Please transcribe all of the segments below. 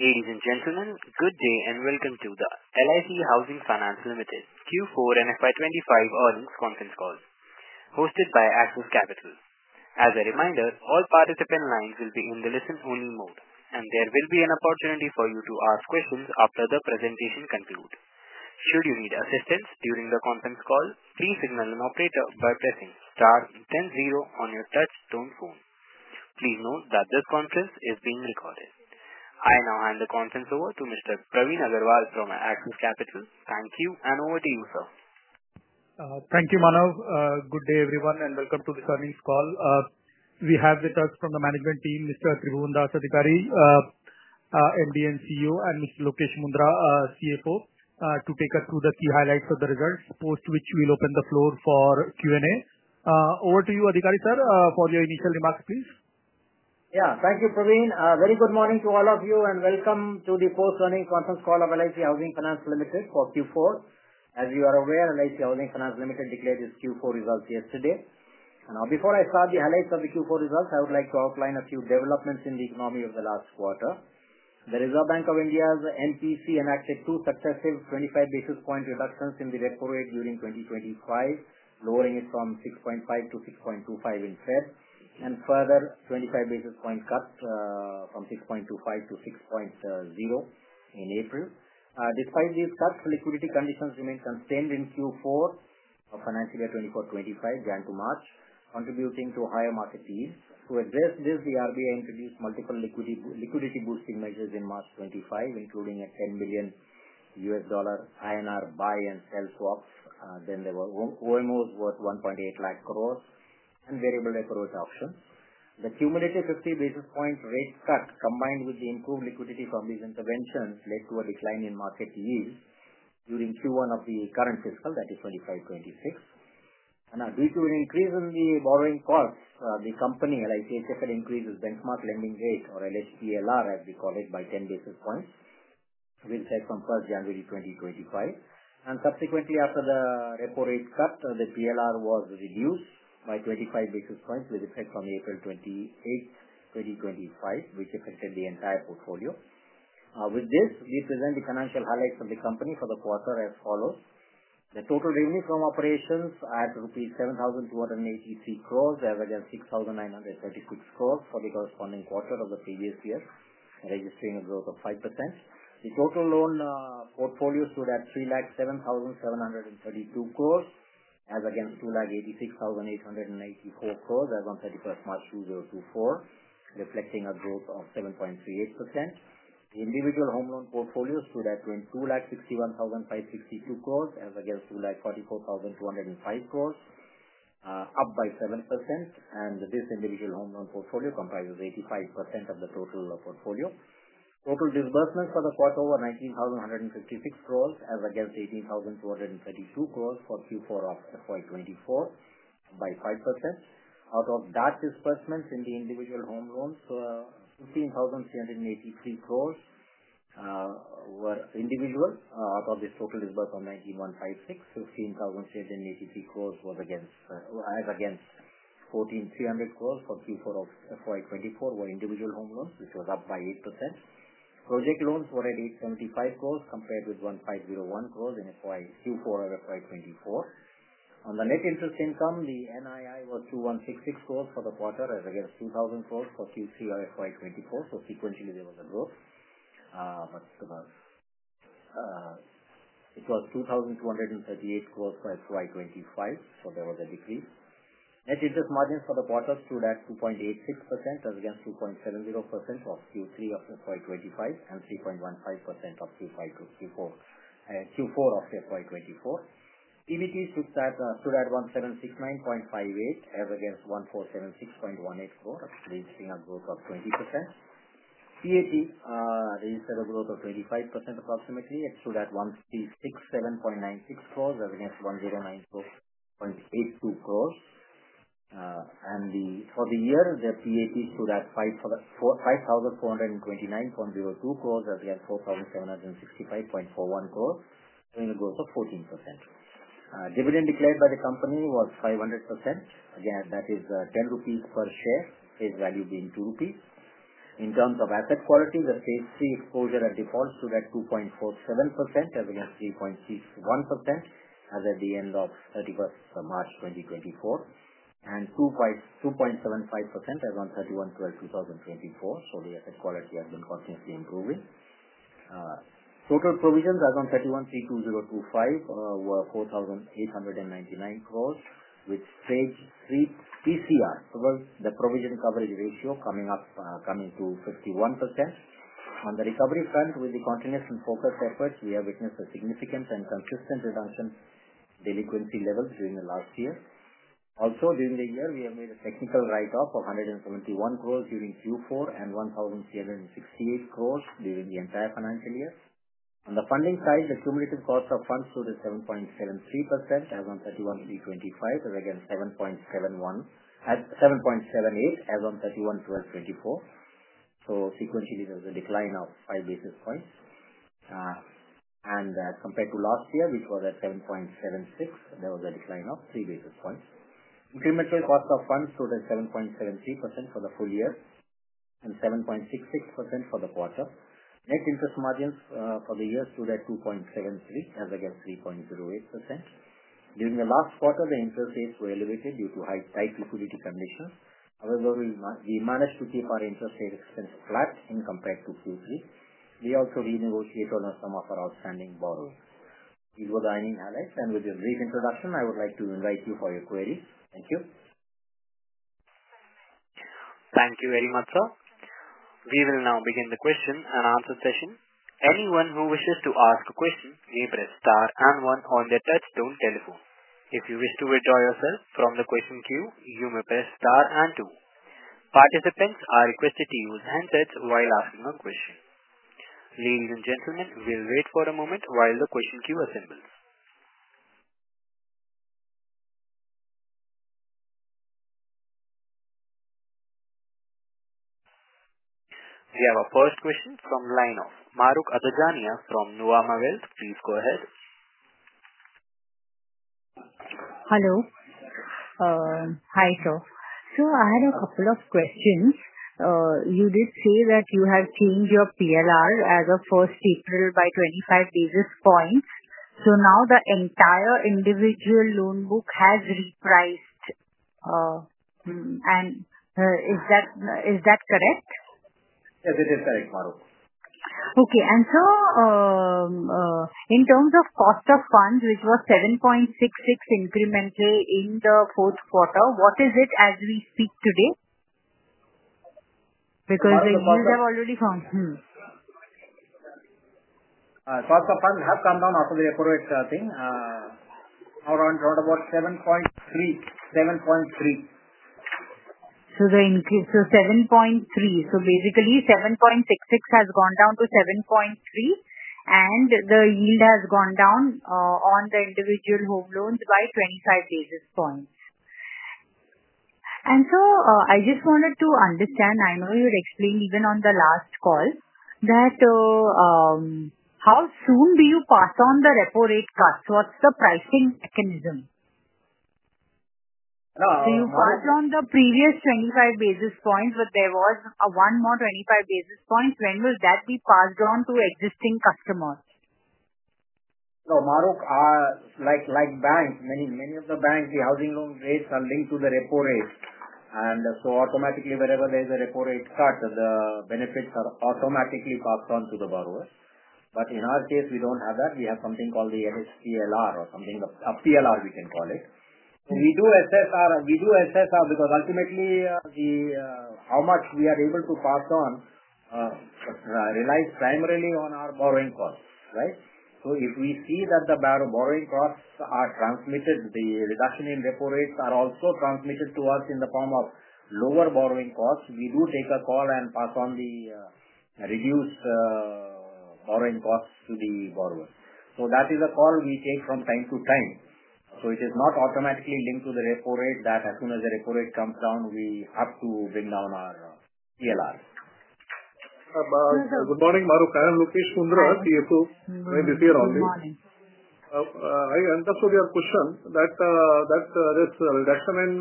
Ladies and gentlemen, good day and welcome to the LIC Housing Finance Limited Q4 and FY2025 earnings conference call, hosted by Access Capital. As a reminder, all participant lines will be in the listen-only mode, and there will be an opportunity for you to ask questions after the presentation concludes. Should you need assistance during the conference call, please signal an operator by pressing *100 on your touch-tone phone. Please note that this conference is being recorded. I now hand the conference over to Mr. Praveen Agarwal from Access Capital. Thank you, and over to you, sir. Thank you, Manav. Good day, everyone, and welcome to this earnings call. We have with us from the management team, Mr. Tribhuwan Das Adhikari, MD and CEO, and Mr. Lokesh Mundhra, CFO, to take us through the key highlights of the results, post which we'll open the floor for Q&A. Over to you, Adhikari, sir, for your initial remarks, please. Yeah, thank you, Praveen. Very good morning to all of you, and welcome to the post-earnings conference call of LIC Housing Finance Limited for Q4. As you are aware, LIC Housing Finance Limited declared its Q4 results yesterday. Now, before I start the highlights of the Q4 results, I would like to outline a few developments in the economy over the last quarter. The Reserve Bank of India's MPC enacted two successive 25 basis point reductions in the repo rate during 2025, lowering it from 6.5 to 6.25 in February, and further 25 basis point cuts from 6.25 to 6.0 in April. Despite these cuts, liquidity conditions remained constrained in Q4 of financial year 2024-2025, January to March, contributing to higher market yields. To address this, the RBI introduced multiple liquidity-boosting measures in March 2025, including a $10 billion INR buy and sell swap. There were OMOs worth 1.8 lakh crore and variable repo rate options. The cumulative 50 basis point rate cut, combined with the improved liquidity from these interventions, led to a decline in market yields during Q1 of the current fiscal, that is 2025-2026. Now, due to an increase in the borrowing costs, the company, LIC Housing Finance Limited, increased its benchmark lending rate, or LHPLR, as we call it, by 10 basis points, with effect from January 1, 2025. Subsequently, after the repo rate cut, the PLR was reduced by 25 basis points, with effect from April 28, 2025, which affected the entire portfolio. With this, we present the financial highlights of the company for the quarter as follows: the total revenue from operations at rupees 7,283 crore averaged at 6,936 crore for the corresponding quarter of the previous year, registering a growth of 5%. The total loan portfolio stood at 3,07,732 crores as against 2,86,884 crores as of 31st March 2024, reflecting a growth of 7.38%. The individual home loan portfolio stood at 2,61,562 crores rupees as against 2,44,205 crores, up by 7%. This individual home loan portfolio comprises 85% of the total portfolio. Total disbursements for the quarter were 19,156 crores as against 18,232 crores for Q4 of FY2024, up by 5%. Out of that, disbursements in the individual home loans, 15,383 crores were individual. Out of this total disbursed of 19,156, 15,383 crores was as against 14,300 crores for Q4 of FY2024 were individual home loans, which was up by 8%. Project loans were at 875 crores compared with 1,501 crores in Q4 of FY2024. On the net interest income, the NII was 2,166 crores for the quarter as against 2,000 crores for Q3 of FY2024. Sequentially, there was a growth, but it was 2,238 crore for FY 2025, so there was a decrease. Net interest margins for the quarter stood at 2.86% as against 2.70% of Q3 of FY 2025 and 3.15% of Q4 of FY 2024. EBITDA stood at INR 1,769.58 crore as against INR 1,476.18 crore, registering a growth of 20%. PAT registered a growth of 25% approximately. It stood at 1,367.96 crore as against 1,094.82 crore. For the year, the PAT stood at 5,429.02 crore as against 4,765.41 crore, showing a growth of 14%. Dividend declared by the company was 500%. That is 10 rupees per share, face value being 2 rupees. In terms of asset quality, the phase III exposure at default stood at 2.47% as against 3.61% as at the end of 31 March 2024, and 2.75% as on 31 December 2024. The asset quality has been continuously improving. Total provisions as on 31/03/2025 were 4,899 crore, with phase III PCR, the provision coverage ratio, coming up, coming to 51%. On the recovery front, with the continuation focus efforts, we have witnessed a significant and consistent reduction in delinquency levels during the last year. Also, during the year, we have made a technical write-off of 171 crore during Q4 and 1,368 crore during the entire financial year. On the funding side, the cumulative cost of funds stood at 7.73% as on 31/03/2025, as against 7.78% as on 31/12/2024. Sequentially, there was a decline of 5 basis points. Compared to last year, which was at 7.76%, there was a decline of 3 basis points. Incremental cost of funds stood at 7.73% for the full year and 7.66% for the quarter. Net interest margins for the year stood at 2.73% as against 3.08%. During the last quarter, the interest rates were elevated due to tight liquidity conditions. However, we managed to keep our interest rate expense flat in comparison to Q3. We also renegotiated on some of our outstanding borrowings. These were the earning highlights. With this brief introduction, I would like to invite you for your queries. Thank you. Thank you very much, sir. We will now begin the question and answer session. Anyone who wishes to ask a question may press star and one on their touchstone telephone. If you wish to withdraw yourself from the question queue, you may press star and two. Participants are requested to use handsets while asking a question. Ladies and gentlemen, we'll wait for a moment while the question queue assembles. We have our first question from Maruk Adhijania from Nomura, please go ahead. Hello. Hi, sir. I had a couple of questions. You did say that you have changed your PLR as of 1 April by 25 basis points. Now the entire individual loan book has repriced. Is that correct? Yes, it is correct, Maruk. Okay. In terms of cost of funds, which was 7.66% incremental in the fourth quarter, what is it as we speak today? Because the yields have already gone. Cost of funds have gone down after the repo rate, I think, around about 7.3%. 7.3%. Basically, 7.66% has gone down to 7.3%, and the yield has gone down on the individual home loans by 25 basis points. I just wanted to understand. I know you'd explained even on the last call that how soon do you pass on the repo rate cuts? What's the pricing mechanism? No. You passed on the previous 25 basis points, but there was one more 25 basis points. When will that be passed on to existing customers? Maruk, like banks, many of the banks, the housing loan rates are linked to the repo rate. And so automatically, wherever there is a repo rate cut, the benefits are automatically passed on to the borrower. In our case, we do not have that. We have something called the LHPLR or something, a PLR we can call it. We do assess our, because ultimately, how much we are able to pass on relies primarily on our borrowing costs, right? If we see that the borrowing costs are transmitted, the reduction in repo rates are also transmitted to us in the form of lower borrowing costs, we do take a call and pass on the reduced borrowing costs to the borrower. That is a call we take from time to time. It is not automatically linked to the repo rate that as soon as the repo rate comes down, we have to bring down our PLR. Good morning, Maruk. I am Lokesh Mundhra, CFO, this year only. Good morning. I understood your question that this reduction in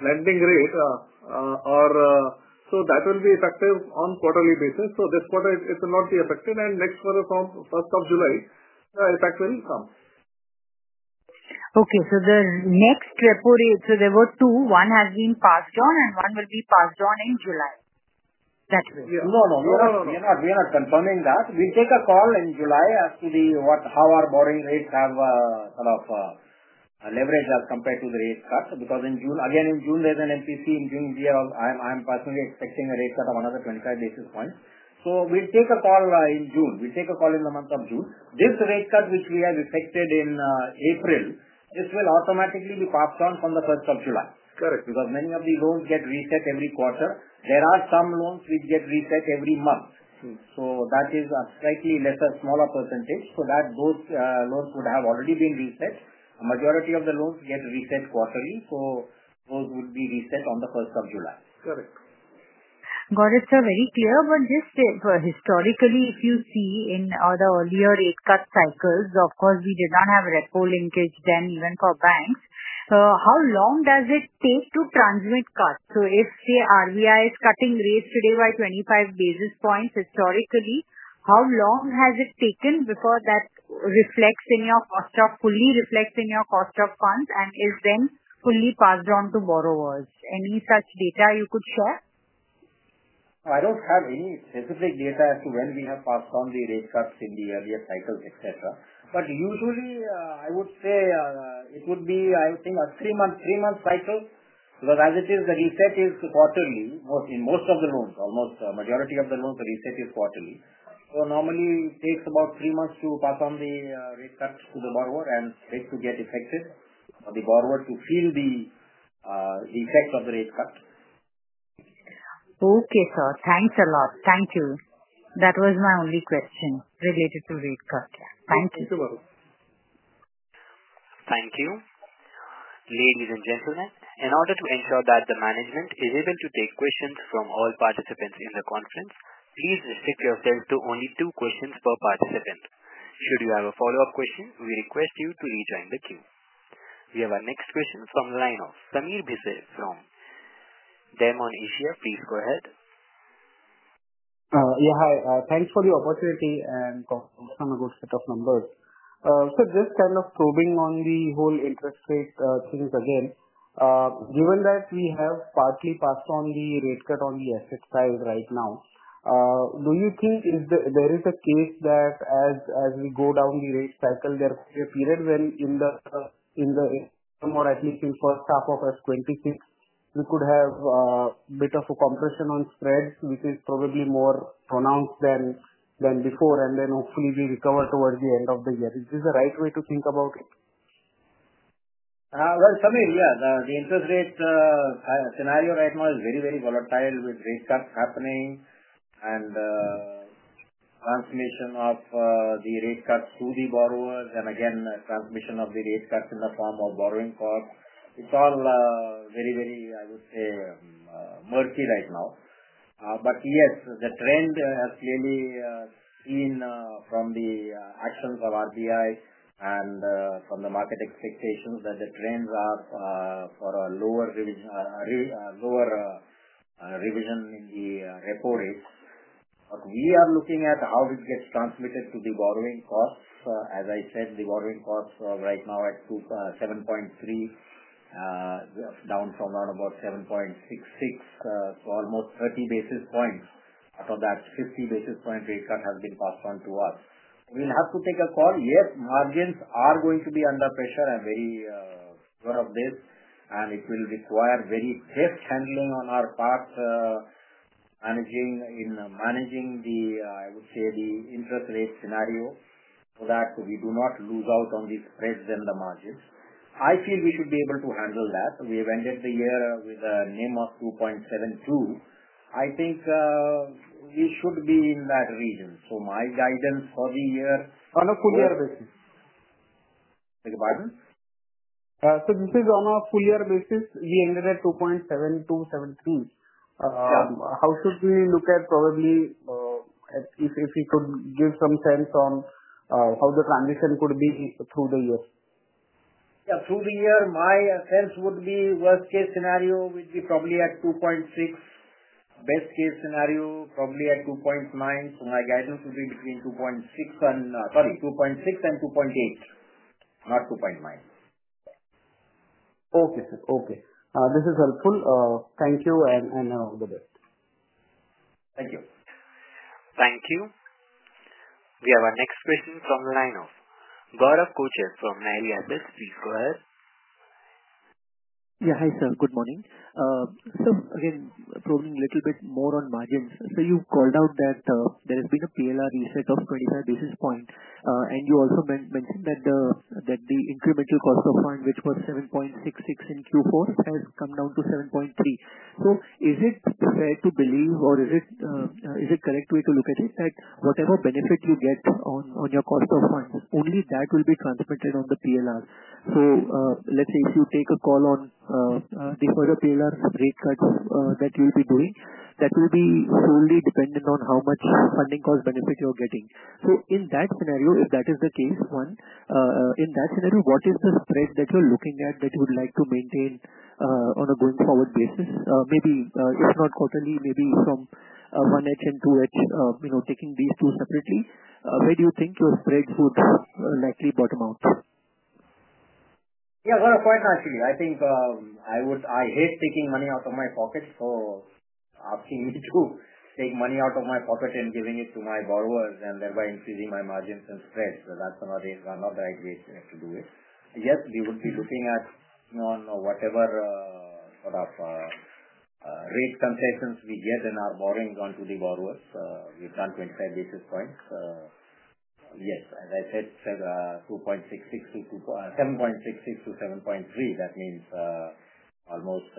lending rate or so that will be effective on quarterly basis. This quarter, it will not be effective. Next quarter, from 1st of July, the effect will come. Okay. The next repo rate, there were two. One has been passed on, and one will be passed on in July. That's it. No, no. We are not confirming that. We'll take a call in July as to how our borrowing rates have sort of leveraged as compared to the rate cut. Because again, in June, there's an MPC in June here. I'm personally expecting a rate cut of another 25 basis points. We'll take a call in June. We'll take a call in the month of June. This rate cut, which we have effected in April, this will automatically be passed on from the 1st of July. Because many of these loans get reset every quarter. There are some loans which get reset every month. That is a slightly lesser, smaller percentage. Those loans would have already been reset. A majority of the loans get reset quarterly. Those would be reset on the 1st of July. Got it. Got it, sir. Very clear. Just historically, if you see in the earlier rate cut cycles, of course, we did not have repo linkage then, even for banks. How long does it take to transmit cuts? If, say, RBI is cutting rates today by 25 basis points historically, how long has it taken before that fully reflects in your cost of funds and is then fully passed on to borrowers? Any such data you could share? I don't have any specific data as to when we have passed on the rate cuts in the earlier cycles, etc. Usually, I would say it would be, I think, a three-month cycle. As it is, the reset is quarterly. In most of the loans, almost the majority of the loans, the reset is quarterly. Normally, it takes about three months to pass on the rate cut to the borrower and to get effective, for the borrower to feel the effect of the rate cut. Okay, sir. Thanks a lot. Thank you. That was my only question related to rate cut. Thank you. Thank you. Thank you. Ladies and gentlemen, in order to ensure that the management is able to take questions from all participants in the conference, please restrict yourselves to only two questions per participant. Should you have a follow-up question, we request you to rejoin the queue. We have our next question from Sameer Bhise from Demeon Asia, please go ahead. Yeah, hi. Thanks for the opportunity and some good set of numbers. Just kind of probing on the whole interest rate things again, given that we have partly passed on the rate cut on the asset side right now, do you think there is a case that as we go down the rate cycle, there could be a period when in the summer, at least in the first half of 2026, we could have a bit of a compression on spreads, which is probably more pronounced than before, and then hopefully we recover towards the end of the year? Is this the right way to think about it? Sameer, yeah. The interest rate scenario right now is very, very volatile with rate cuts happening and transmission of the rate cuts to the borrowers, and again, transmission of the rate cuts in the form of borrowing costs. It's all very, very, I would say, murky right now. Yes, the trend has clearly been from the actions of RBI and from the market expectations that the trends are for a lower revision in the repo rates. We are looking at how it gets transmitted to the borrowing costs. As I said, the borrowing costs right now at 7.3%, down from around 7.66%, so almost 30 basis points out of that 50 basis point rate cut has been passed on to us. We'll have to take a call. Yes, margins are going to be under pressure. I'm very sure of this. It will require very test handling on our part managing the, I would say, the interest rate scenario so that we do not lose out on the spreads and the margins. I feel we should be able to handle that. We have ended the year with a NIM of 2.72. I think we should be in that region. So my guidance for the year. On a full-year basis. Pardon? This is on a full-year basis. We ended at 2.7273. How should we look at probably if you could give some sense on how the transition could be through the year? Yeah, through the year, my sense would be worst-case scenario would be probably at 2.6%. Best-case scenario, probably at 2.9%. So my guidance would be between 2.6% and, sorry, 2.6% and 2.8%, not 2.9%. Okay, sir. Okay. This is helpful. Thank you, and all the best. Thank you. Thank you. We have our next question from LINE-OFF. Gaurav Kuchhal from Tribhuwan Das Adhikari, please go ahead. Yeah, hi sir. Good morning. Again, probing a little bit more on margins. You called out that there has been a PLR reset of 25 basis points. You also mentioned that the incremental cost of funds, which was 7.66% in Q4, has come down to 7.3%. Is it fair to believe or is it the correct way to look at it that whatever benefit you get on your cost of funds, only that will be transmitted on the PLR? Let's say if you take a call on the further PLR rate cuts that you'll be doing, that will be solely dependent on how much funding cost benefit you're getting. In that scenario, if that is the case, one, in that scenario, what is the spread that you're looking at that you would like to maintain on a going forward basis? Maybe if not quarterly, maybe from 1H and 2H, taking these two separately, where do you think your spreads would likely bottom out? Yeah, got a point, actually. I think I hate taking money out of my pocket. So asking me to take money out of my pocket and giving it to my borrowers and thereby increasing my margins and spreads, that's not the right way to do it. Yes, we would be looking at whatever sort of rate concessions we get and our borrowings onto the borrowers. We've done 25 basis points. Yes, as I said, 2.66 to 7.66 to 7.3%. That means almost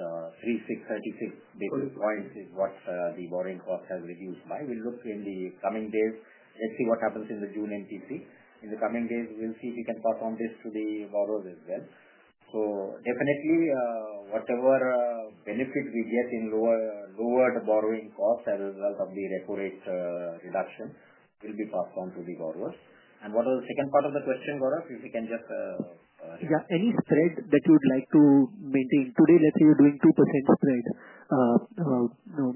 36-36 basis points is what the borrowing cost has reduced by. We'll look in the coming days. Let's see what happens in the June MPC. In the coming days, we'll see if we can pass on this to the borrowers as well. Definitely, whatever benefit we get in lowered borrowing costs as a result of the repo rate reduction will be passed on to the borrowers. What was the second part of the question, Gaurav? If you can just. Yeah. Any spread that you would like to maintain? Today, let's say you're doing 2% spread about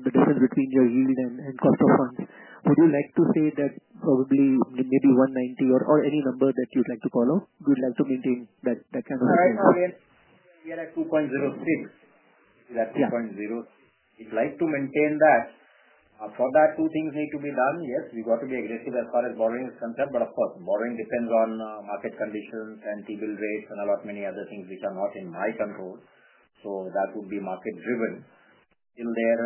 the difference between your yield and cost of funds. Would you like to say that probably maybe 1.90% or any number that you'd like to call out? You'd like to maintain that kind of a spread? Right now, we are at 2.06. We are at 2.06. We'd like to maintain that. For that, two things need to be done. Yes, we've got to be aggressive as far as borrowing is concerned. Of course, borrowing depends on market conditions and T-bill rates and a lot many other things which are not in my control. That would be market-driven. Still there,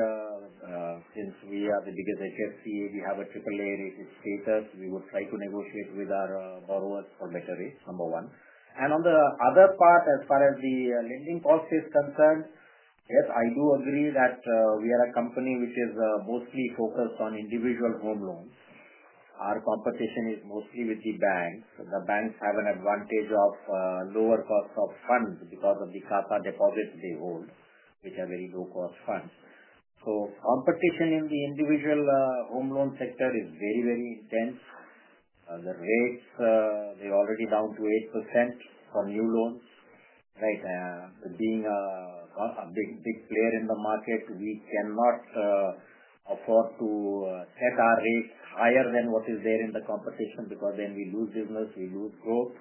since we are the biggest HFC, we have a AAA rated status. We would try to negotiate with our borrowers for better rates, number one. On the other part, as far as the lending cost is concerned, yes, I do agree that we are a company which is mostly focused on individual home loans. Our competition is mostly with the banks. The banks have an advantage of lower cost of funds because of the CASA deposits they hold, which are very low-cost funds. Competition in the individual home loan sector is very, very intense. The rates, they're already down to 8% for new loans. Right. Being a big player in the market, we cannot afford to set our rates higher than what is there in the competition because then we lose business, we lose growth.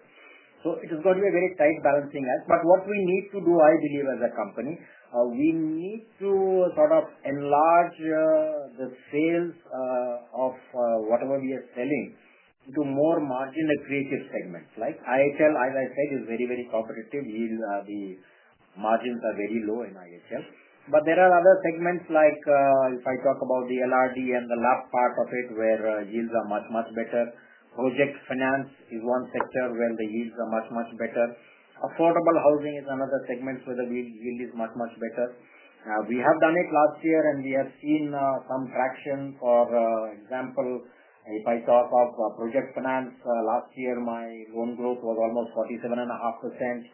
It has got to be a very tight balancing act. What we need to do, I believe, as a company, we need to sort of enlarge the sales of whatever we are selling into more margin-accretive segments. Like IHL, as I said, is very, very competitive. The margins are very low in IHL. There are other segments like if I talk about the LRD and the LAP part of it, where yields are much, much better. Project finance is one sector where the yields are much, much better. Affordable housing is another segment where the yield is much, much better. We have done it last year, and we have seen some traction. For example, if I talk of project finance, last year, my loan growth was almost 47.5%.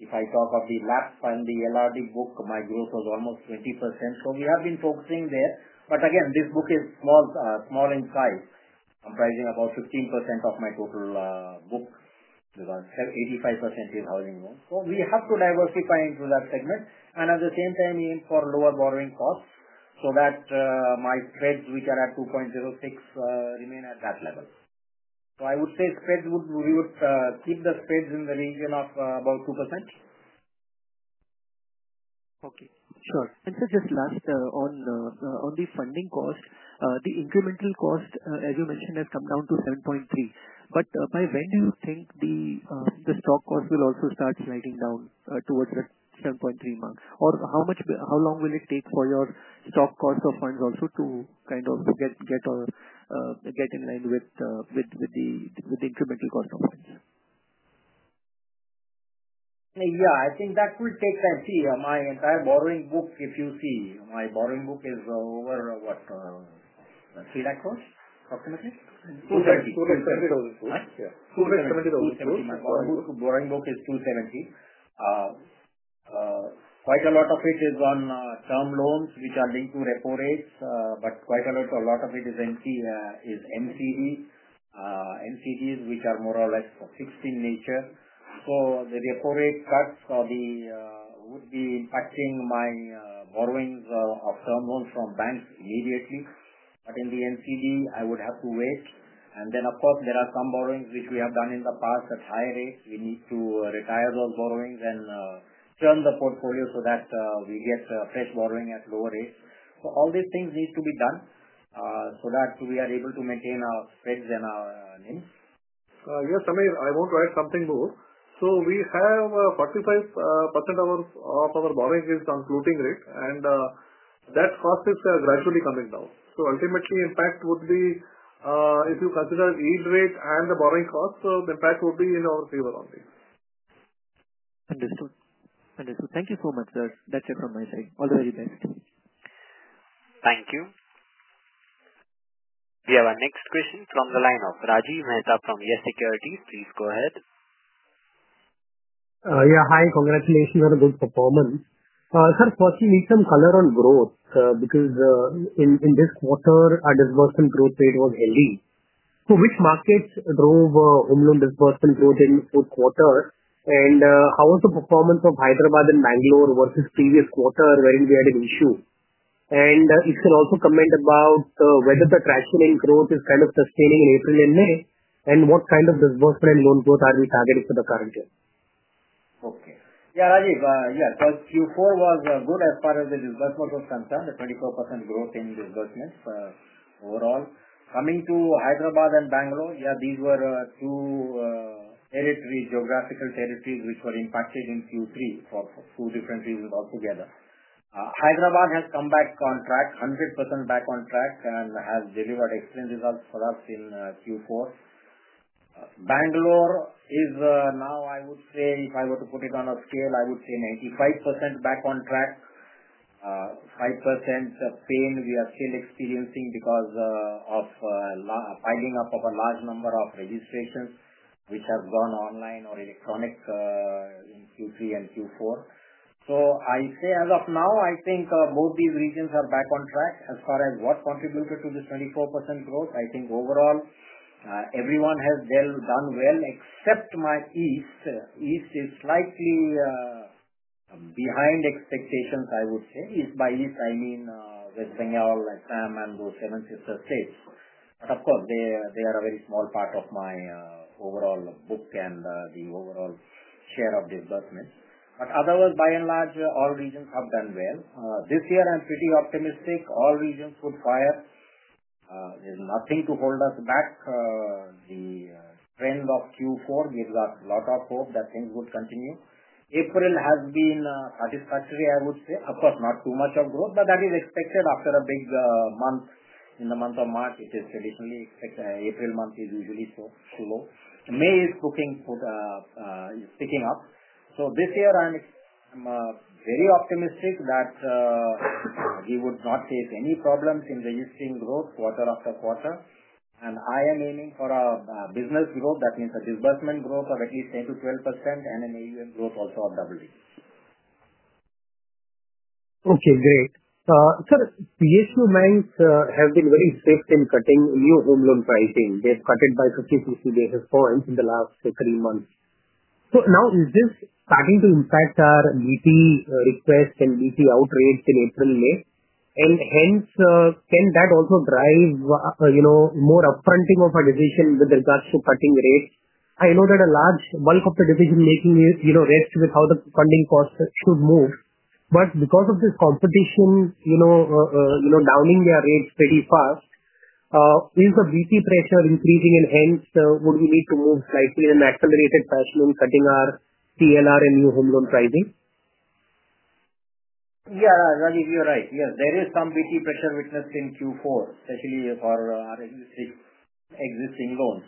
If I talk of the LAP fund, the LRD book, my growth was almost 20%. We have been focusing there. Again, this book is small in size, comprising about 15% of my total book because 85% is housing loans. We have to diversify into that segment. At the same time, aim for lower borrowing costs so that my spreads, which are at 2.06%, remain at that level. I would say spreads would, we would keep the spreads in the region of about 2%. Okay. Sure. Just last on the funding cost, the incremental cost, as you mentioned, has come down to 7.3%. By when do you think the stock cost will also start sliding down towards that 7.3% mark? How long will it take for your stock cost of funds also to kind of get in line with the incremental cost of funds? Yeah. I think that will take time, too. My entire borrowing book, if you see, my borrowing book is over what, INR 3 trillion approximately? 270. 270 crore. Yeah. 270. Borrowing book is 270. Quite a lot of it is on term loans, which are linked to repo rates. Quite a lot of it is MCD, which are more or less fixed in nature. The repo rate cuts would be impacting my borrowings of term loans from banks immediately. In the MCD, I would have to wait. Of course, there are some borrowings which we have done in the past at higher rates. We need to retire those borrowings and turn the portfolio so that we get fresh borrowing at lower rates. All these things need to be done so that we are able to maintain our spreads and our NIMs. Yes, Sameer. I want to add something more. We have 45% of our borrowing is on floating rate, and that cost is gradually coming down. Ultimately, impact would be if you consider yield rate and the borrowing cost, the impact would be in our favor only. Understood. Understood. Thank you so much, sir. That's it from my side. All the very best. Thank you. We have our next question from the line of Rajiv Mehta from Yes Securities. Please go ahead. Yeah, hi. Congratulations on a good performance. Sir, first, we need some color on growth because in this quarter, our disbursement growth rate was heavy. Which markets drove home loan disbursement growth in the fourth quarter? How was the performance of Hyderabad and Bangalore versus previous quarter where we had an issue? If you can also comment about whether the traction in growth is kind of sustaining in April and May, and what kind of disbursement and loan growth are we targeting for the current year? Okay. Yeah, Rajiv, yes, Q4 was good as far as the disbursement was concerned, the 24% growth in disbursements overall. Coming to Hyderabad and Bangalore, yeah, these were two geographical territories which were impacted in Q3 for two different reasons altogether. Hyderabad has come back on track, 100% back on track, and has delivered excellent results for us in Q4. Bangalore is now, I would say, if I were to put it on a scale, I would say 95% back on track, 5% pain we are still experiencing because of piling up of a large number of registrations which have gone online or electronic in Q3 and Q4. I say as of now, I think both these regions are back on track. As far as what contributed to this 24% growth, I think overall, everyone has done well, except my East. East is slightly behind expectations, I would say. East, by East I mean West Bengal, Assam, and those seven sister states. Of course, they are a very small part of my overall book and the overall share of disbursements. Otherwise, by and large, all regions have done well. This year, I am pretty optimistic. All regions would fire. There is nothing to hold us back. The trend of Q4 gives us a lot of hope that things would continue. April has been satisfactory, I would say. Of course, not too much of growth, but that is expected after a big month. In the month of March, it is traditionally April month is usually slow. May is picking up. This year, I am very optimistic that we would not face any problems in registering growth quarter after quarter. I am aiming for a business growth. That means a disbursement growth of at least 10-12% and an AUM growth also of doubling. Okay. Great. Sir, PSU banks have been very swift in cutting new home loan pricing. They have cut it by 50-60 basis points in the last three months. Now, is this starting to impact our BP request and BP out rates in April, May? Can that also drive more upfronting of our decision with regards to cutting rates? I know that a large bulk of the decision-making rests with how the funding cost should move. Because of this competition downing their rates pretty fast, is the BP pressure increasing? Would we need to move slightly in an accelerated fashion in cutting our PLR and new home loan pricing? Yeah, Rajiv, you're right. Yes, there is some basis points pressure witnessed in Q4, especially for our existing loans.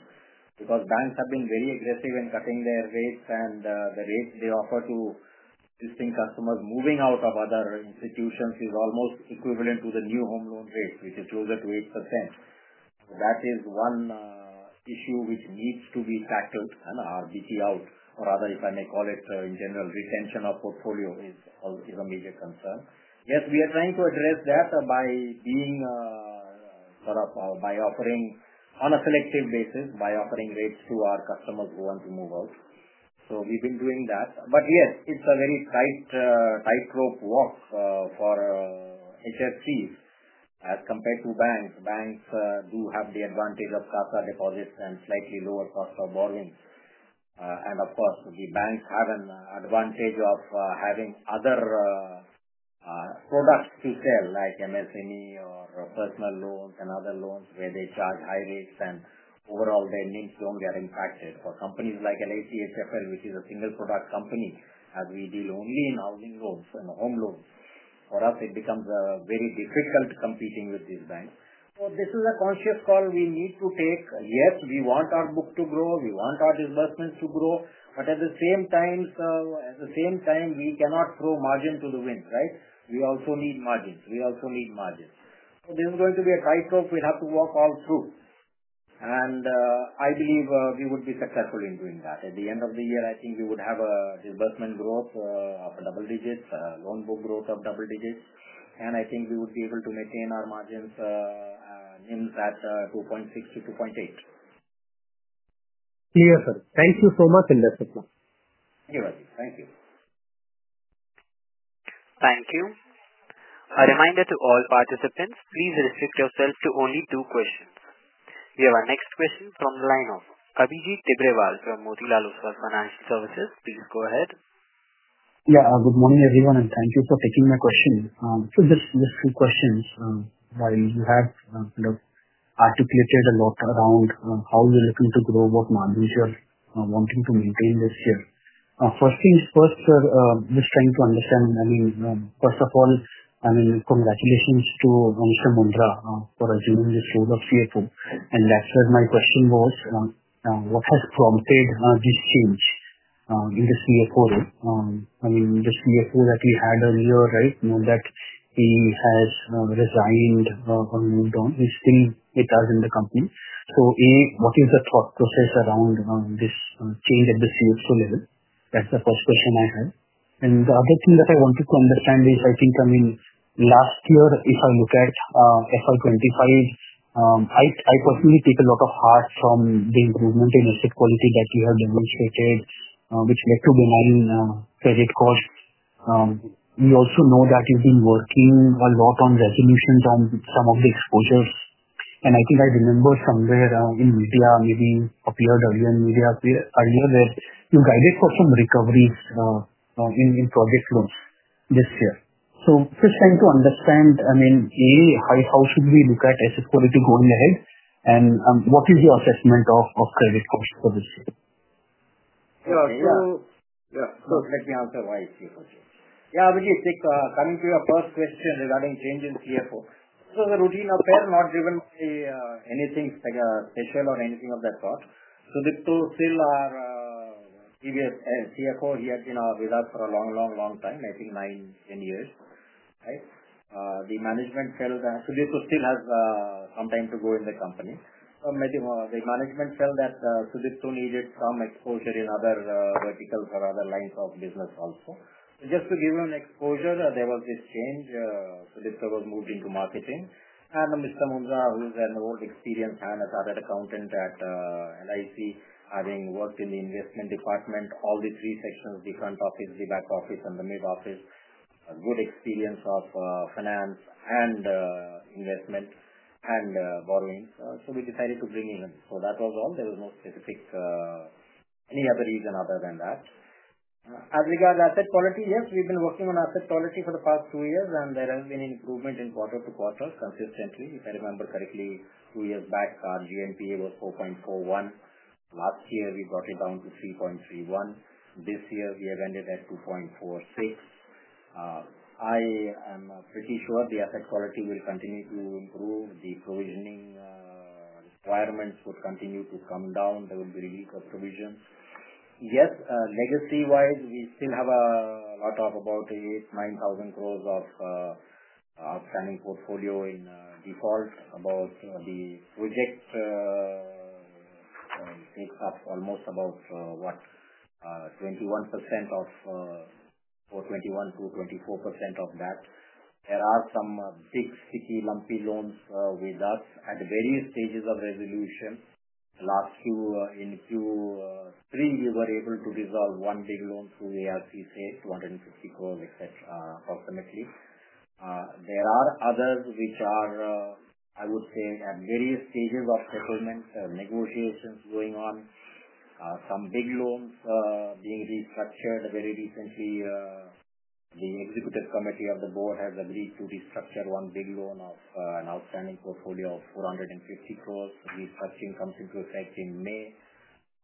Because banks have been very aggressive in cutting their rates, and the rates they offer to existing customers moving out of other institutions is almost equivalent to the new home loan rate, which is closer to 8%. That is one issue which needs to be tackled, and our basis points out, or rather, if I may call it in general, retention of portfolio is a major concern. Yes, we are trying to address that by offering on a selective basis, by offering rates to our customers who want to move out. We've been doing that. Yes, it's a very tightrope walk for HFCs as compared to banks. Banks do have the advantage of CASA deposits and slightly lower cost of borrowing. Of course, the banks have an advantage of having other products to sell, like MSME or personal loans and other loans where they charge high rates. Overall, their NIMs only are impacted. For companies like LIC Housing Finance, which is a single-product company, as we deal only in housing loans and home loans, for us, it becomes very difficult competing with these banks. This is a conscious call we need to take. Yes, we want our book to grow. We want our disbursements to grow. At the same time, we cannot throw margin to the wind, right? We also need margins. We also need margins. This is going to be a tightrope. We have to walk all through. I believe we would be successful in doing that. At the end of the year, I think we would have a disbursement growth of double digits, loan book growth of double digits. I think we would be able to maintain our margins, NIMs at 2.6-2.8. Clear, sir. Thank you so much, Industry Plan. Thank you, Rajiv. Thank you. Thank you. A reminder to all participants, please restrict yourself to only two questions. We have our next question from the line of Abhijit Tibrewal from Motilal Oswal Financial Services, please go ahead. Yeah. Good morning, everyone. Thank you for taking my question. Just a few questions while you have kind of articulated a lot around how you're looking to grow, what margins you're wanting to maintain this year. First things first, sir, just trying to understand. I mean, first of all, congratulations to Mr. Mundhra for assuming this role of CFO. That's where my question was, what has prompted this change in the CFO role? I mean, the CFO that we had earlier, right, know that he has resigned or moved on. He still is in the company. So, what is the thought process around this change at the CFO level? That's the first question I have. The other thing that I wanted to understand is, I think, I mean, last year, if I look at FY 2025, I personally take a lot of heart from the improvement in asset quality that you have demonstrated, which led to benign credit cost. We also know that you've been working a lot on resolutions on some of the exposures. I think I remember somewhere in media, maybe appeared earlier in media earlier, where you guided for some recoveries in project loans this year. Just trying to understand, I mean, A, how should we look at asset quality going ahead? What is your assessment of credit cost for this year? Yeah. Let me answer your question. Yeah, Abhijit, coming to your first question regarding change in CFO, this was a routine affair, not driven by anything special or anything of that sort. Sudipto, still our previous CFO, had been with us for a long, long, long time, I think 9, 10 years, right? The management felt Sudipto still has some time to go in the company. The management felt that Sudipto needed some exposure in other verticals or other lines of business also. Just to give you an exposure, there was this change. Sudipto was moved into marketing. Mr. Mundhra, who's an old, experienced finance audit accountant at LIC, having worked in the investment department, all the three sections, the front office, the back office, and the mid office, good experience of finance and investment and borrowing. We decided to bring in him. That was all. There was no specific any other reason other than that. As regards to asset quality, yes, we've been working on asset quality for the past two years, and there has been improvement in quarter to quarter consistently. If I remember correctly, two years back, our GNPA was 4.41. Last year, we brought it down to 3.31. This year, we have ended at 2.46. I am pretty sure the asset quality will continue to improve. The provisioning requirements would continue to come down. There would be a release of provisions. Yes, legacy-wise, we still have a lot of about 8,000-9,000 crore of outstanding portfolio in default. About the project takes up almost about, what, 21% or 21-24% of that. There are some big, sticky, lumpy loans with us at various stages of resolution. Last Q3, we were able to resolve one big loan through ARC, say, 250 crore, etc., approximately. There are others which are, I would say, at various stages of settlement negotiations going on. Some big loans being restructured very recently. The executive committee of the board has agreed to restructure one big loan of an outstanding portfolio of 450 crore. Restructuring comes into effect in May.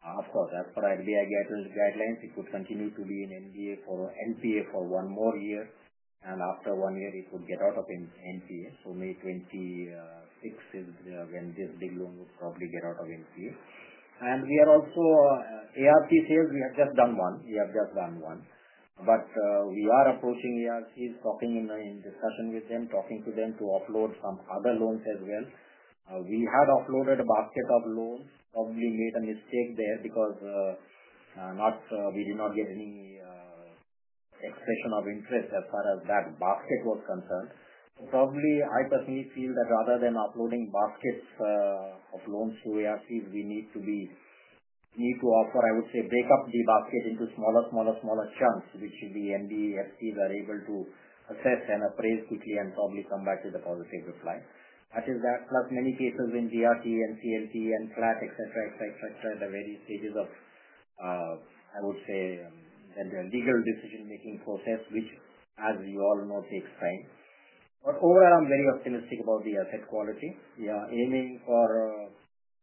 Of course, as per RBI guidelines, it would continue to be in NPA for one more year. After one year, it would get out of NPA. May 2026 is when this big loan would probably get out of NPA. We are also doing ARC sales. We have just done one. We have just done one. We are approaching ARCs, talking in discussion with them, talking to them to offload some other loans as well. We had offloaded a basket of loans. Probably made a mistake there because we did not get any expression of interest as far as that basket was concerned. I personally feel that rather than offloading baskets of loans to ARCs, we need to offer, I would say, break up the basket into smaller, smaller, smaller chunks, which the NBFCs are able to assess and appraise quickly and probably come back with a positive reply. That is that. Plus many cases in DRT and CLT and FLAT, etc., etc., etc. at the various stages of, I would say, the legal decision-making process, which, as you all know, takes time. Overall, I'm very optimistic about the asset quality. We are aiming for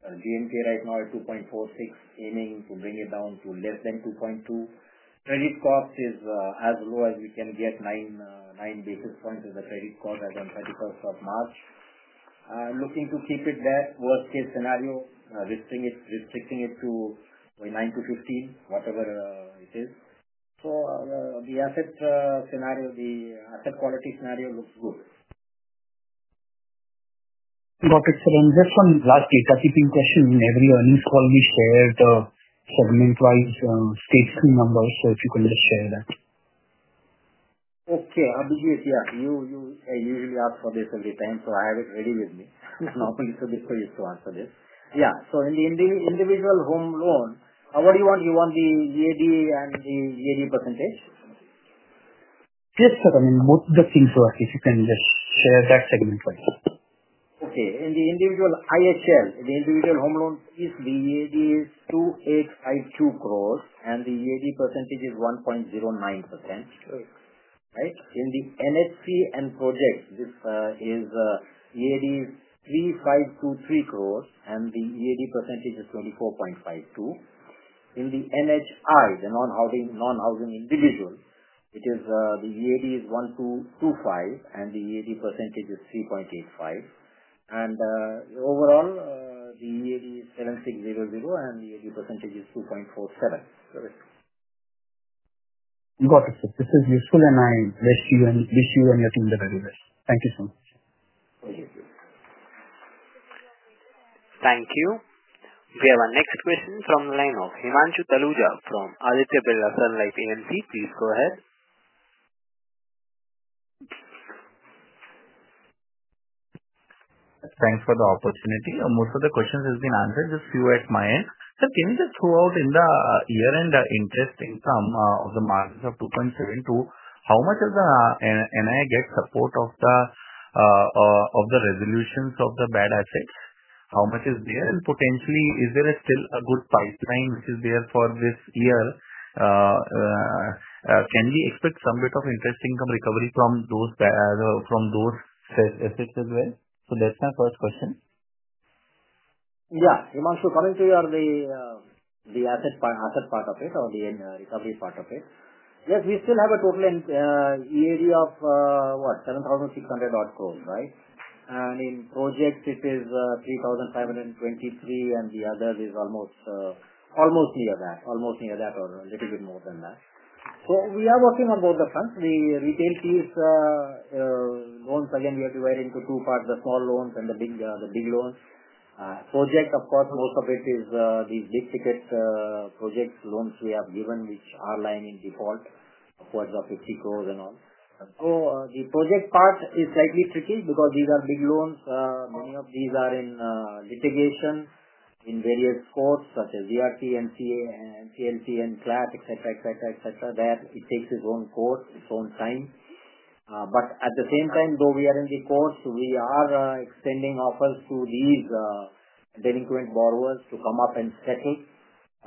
GNPA right now at 2.46, aiming to bring it down to less than 2.2. Credit cost is as low as we can get, 9 basis points of the credit cost as of 31st of March. I'm looking to keep it that worst-case scenario, restricting it to 9-15, whatever it is. The asset scenario, the asset quality scenario looks good. Dr. Selin, just one last data keeping question. In every earnings call, we shared segment-wise states and numbers. If you can just share that. Okay. Abhijit, yeah, you usually ask for this every time, so I have it ready with me. Normally, Sudipto used to answer this. Yeah. So in the individual home loan, what do you want? You want the EAD and the EAD percentage? Yes, sir. I mean, both the things, Rajiv, if you can just share that segment for us. Okay. In the individual IHL, the individual home loan piece, the EAD is INR 2,852 crore, and the EAD percentage is 1.09%, right? In the NHC and project, this is EAD 3,523 crore, and the EAD percentage is 24.52%. In the NHI, the non-housing individual, it is the EAD is 1,225 crore, and the EAD percentage is 3.85%. Overall, the EAD is 7,600 crore, and the EAD percentage is 2.47%. Got it. This is useful, and I wish you and your team the very best. Thank you so much. Thank you. Thank you. We have our next question from the line of Himanshu Taluja from Aditya Birla Sun Life AMC, please go ahead. Thanks for the opportunity. Most of the questions have been answered. Just a few at my end. Sir, can you just throw out in the year-end interest income of the margins of 2.72, how much of the NII gets support of the resolutions of the bad assets? How much is there? Potentially, is there still a good pipeline which is there for this year? Can we expect some bit of interest income recovery from those assets as well? That is my first question. Yeah. Himanshu, coming to you, the asset part of it or the recovery part of it. Yes, we still have a total EAD of what, 7,600 crore, right? And in projects, it is 3,523 crore, and the other is almost near that, almost near that or a little bit more than that. We are working on both the fronts. The retail piece loans, again, we have divided into two parts, the small loans and the big loans. Project, of course, most of it is these big ticket project loans we have given, which are lying in default upwards of 50 crore and all. The project part is slightly tricky because these are big loans. Many of these are in litigation in various courts, such as DRT, NCLT, and FLAT, etc., etc., etc. That takes its own course, its own time. At the same time, though we are in the courts, we are extending offers to these delinquent borrowers to come up and settle.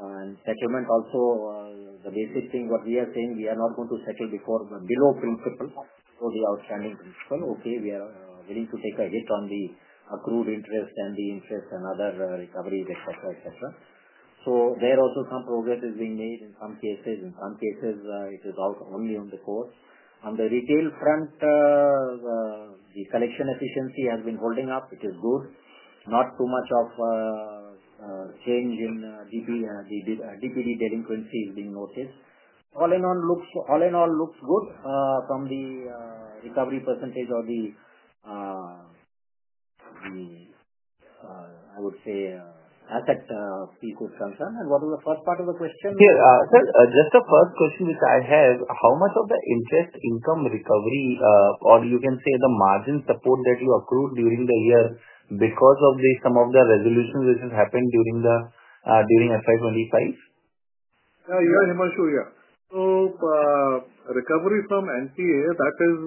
Settlement, also the basic thing, what we are saying, we are not going to settle below principal, below the outstanding principal. Okay, we are willing to take a hit on the accrued interest and the interest and other recoveries, etc., etc. There also some progress is being made in some cases. In some cases, it is out only on the course. On the retail front, the collection efficiency has been holding up, which is good. Not too much of change in DPD delinquency is being noticed. All in all, looks good from the recovery percentage or the, I would say, asset piece is concerned. What was the first part of the question? Here, sir, just a first question which I have. How much of the interest income recovery, or you can say the margin support that you accrued during the year because of some of the resolutions which have happened during FY 2025? No, you are Himanshu. Yeah. So recovery from NPA, that is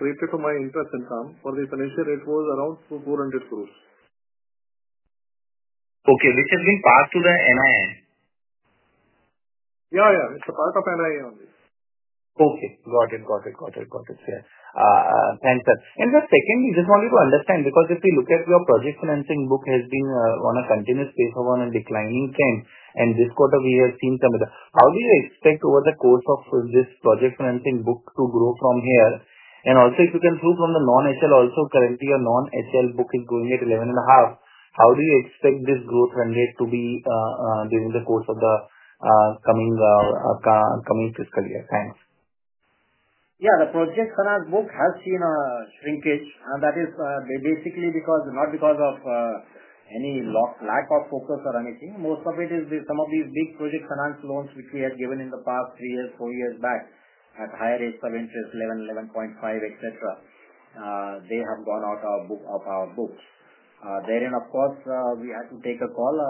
created for my interest income for the financial, it was around INR 400 crore. Okay. Which has been passed to the NII? Yeah, yeah. It's a part of NII only. Okay. Got it. Yeah. Thanks, sir. Just secondly, just wanted to understand because if we look at your project financing book, it has been on a continuous basis on a declining trend, and this quarter we have seen some of the—how do you expect over the course of this project financing book to grow from here? Also, if you can prove from the non-HL, also currently your non-HL book is growing at 11.5%. How do you expect this growth rate to be during the course of the coming fiscal year? Thanks. Yeah. The project finance book has seen a shrinkage, and that is basically not because of any lack of focus or anything. Most of it is some of these big project finance loans which we had given in the past three years, four years back at higher rates of interest, 11%, 11.5%, etc. They have gone out of our books. Therein, of course, we had to take a call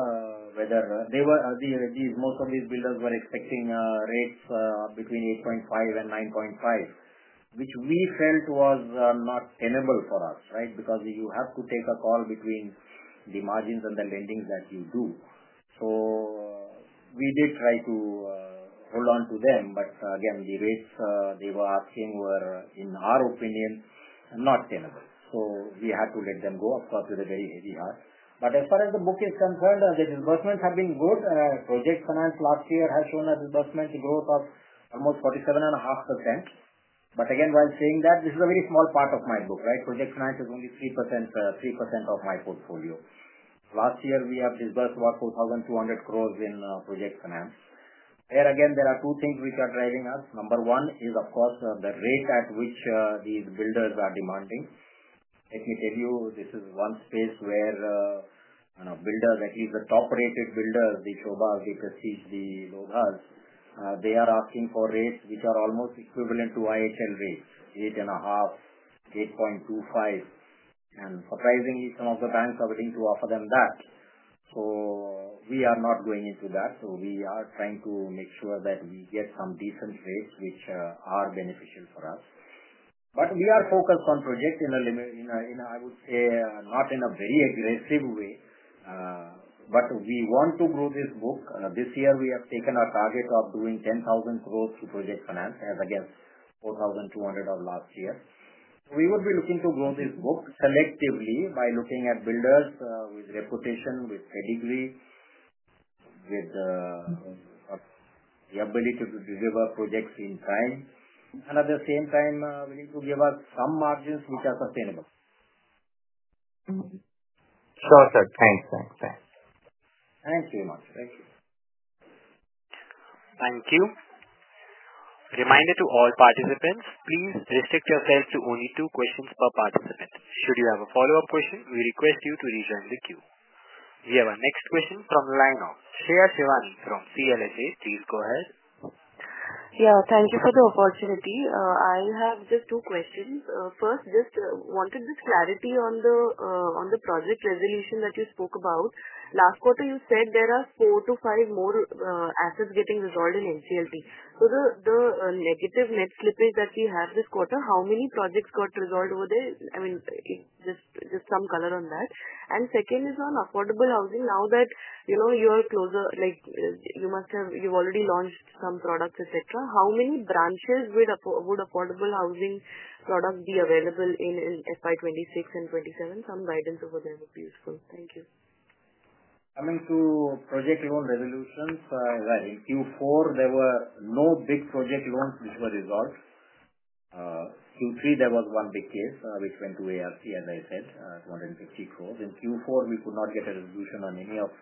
whether most of these builders were expecting rates between 8.5% and 9.5%, which we felt was not tenable for us, right? Because you have to take a call between the margins and the lendings that you do. We did try to hold on to them, but again, the rates they were asking were, in our opinion, not tenable. We had to let them go, of course, with a very heavy heart. As far as the book is concerned, the disbursements have been good. Project finance last year has shown a disbursement growth of almost 47.5%. While saying that, this is a very small part of my book, right? Project finance is only 3% of my portfolio. Last year, we have disbursed about 4,200 crore in project finance. There again, there are two things which are driving us. Number one is, of course, the rate at which these builders are demanding. Let me tell you, this is one space where builders, at least the top-rated builders, the Shobhas, the Prestige, the Lohas, they are asking for rates which are almost equivalent to IHL rates, 8.5%, 8.25%. Surprisingly, some of the banks are willing to offer them that. We are not going into that. We are trying to make sure that we get some decent rates which are beneficial for us. We are focused on project in a, I would say, not in a very aggressive way, but we want to grow this book. This year, we have taken our target of doing 10,000 crore to project finance, as against 4,200 of last year. We would be looking to grow this book selectively by looking at builders with reputation, with pedigree, with the ability to deliver projects in time. At the same time, we need to give us some margins which are sustainable. Sure, sir. Thanks. Thanks, Himanshu. Thank you. Thank you. Reminder to all participants, please restrict yourselves to only two questions per participant. Should you have a follow-up question, we request you to rejoin the queue. We have our next question from the line of Shreya Shivani from CLSA, please go ahead. Yeah. Thank you for the opportunity. I have just two questions. First, just wanted the clarity on the project resolution that you spoke about. Last quarter, you said there are four to five more assets getting resolved in NCLT. The negative net slippage that we have this quarter, how many projects got resolved over there? I mean, just some color on that. Second is on affordable housing. Now that you are closer, you must have, you've already launched some products, etc. How many branches would affordable housing products be available in for financial year 2026 and 2027? Some guidance over there would be useful. Thank you. Coming to project loan resolutions, as I said, in Q4, there were no big project loans which were resolved. Q3, there was one big case which went to ARC, as I said, 250 crore. In Q4, we could not get a resolution on any of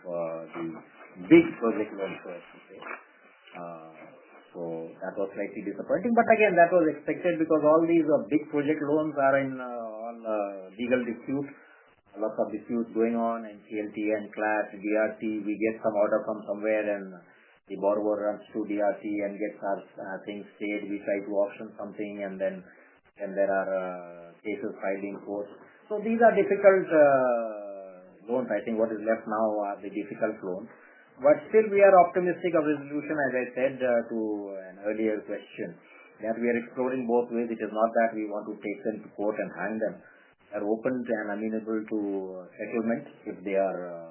the big project loans, so to say. That was slightly disappointing. Again, that was expected because all these big project loans are in legal disputes, lots of disputes going on, NCLT and FLAT, DRT. We get some order from somewhere, and the borrower runs to DRT and gets our things stayed. We try to auction something, and then there are cases filed in court. These are difficult loans. I think what is left now are the difficult loans. Still, we are optimistic of resolution, as I said to an earlier question, that we are exploring both ways. It is not that we want to take them to court and hang them. They are open and amenable to settlement if they are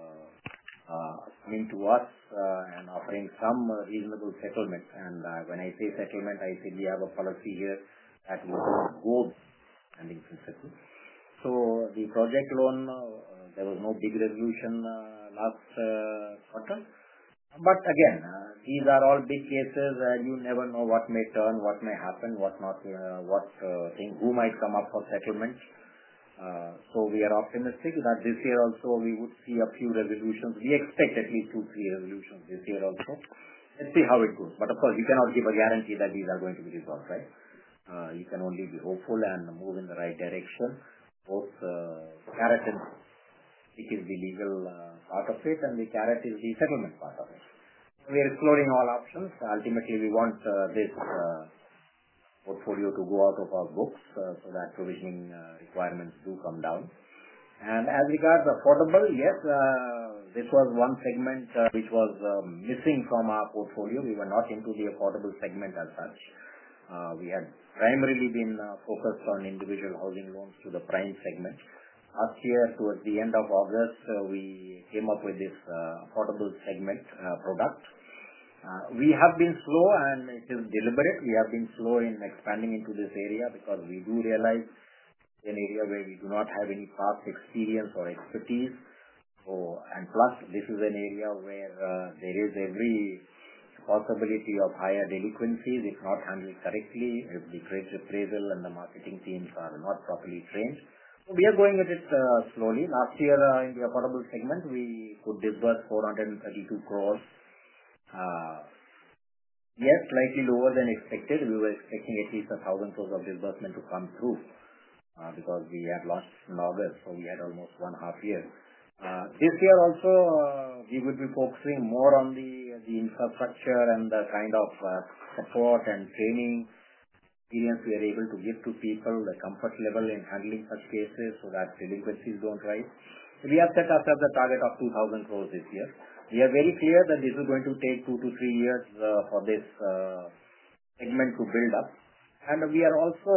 coming to us and offering some reasonable settlement. When I say settlement, I say we have a policy here that will go. In principle, the project loan, there was no big resolution last quarter. Again, these are all big cases, and you never know what may turn, what may happen, what might come up for settlement. We are optimistic that this year also, we would see a few resolutions. We expect at least two or three resolutions this year also. Let's see how it goes. Of course, you cannot give a guarantee that these are going to be resolved, right? You can only be hopeful and move in the right direction. Both the carrot and stick is the legal part of it, and the carrot is the settlement part of it. We are exploring all options. Ultimately, we want this portfolio to go out of our books so that provisioning requirements do come down. As regards affordable, yes, this was one segment which was missing from our portfolio. We were not into the affordable segment as such. We had primarily been focused on individual housing loans to the prime segment. Last year, towards the end of August, we came up with this affordable segment product. We have been slow, and it is deliberate. We have been slow in expanding into this area because we do realize it's an area where we do not have any past experience or expertise. Plus, this is an area where there is every possibility of higher delinquencies if not handled correctly, if the credit appraisal and the marketing teams are not properly trained. We are going at it slowly. Last year, in the affordable segment, we could disburse 432 crore. Yes, slightly lower than expected. We were expecting at least 1,000 crore of disbursement to come through because we had launched in August, so we had almost one half year. This year also, we would be focusing more on the infrastructure and the kind of support and training experience we are able to give to people, the comfort level in handling such cases so that delinquencies do not rise. We have set ourselves a target of 2,000 crore this year. We are very clear that this is going to take two to three years for this segment to build up. We are also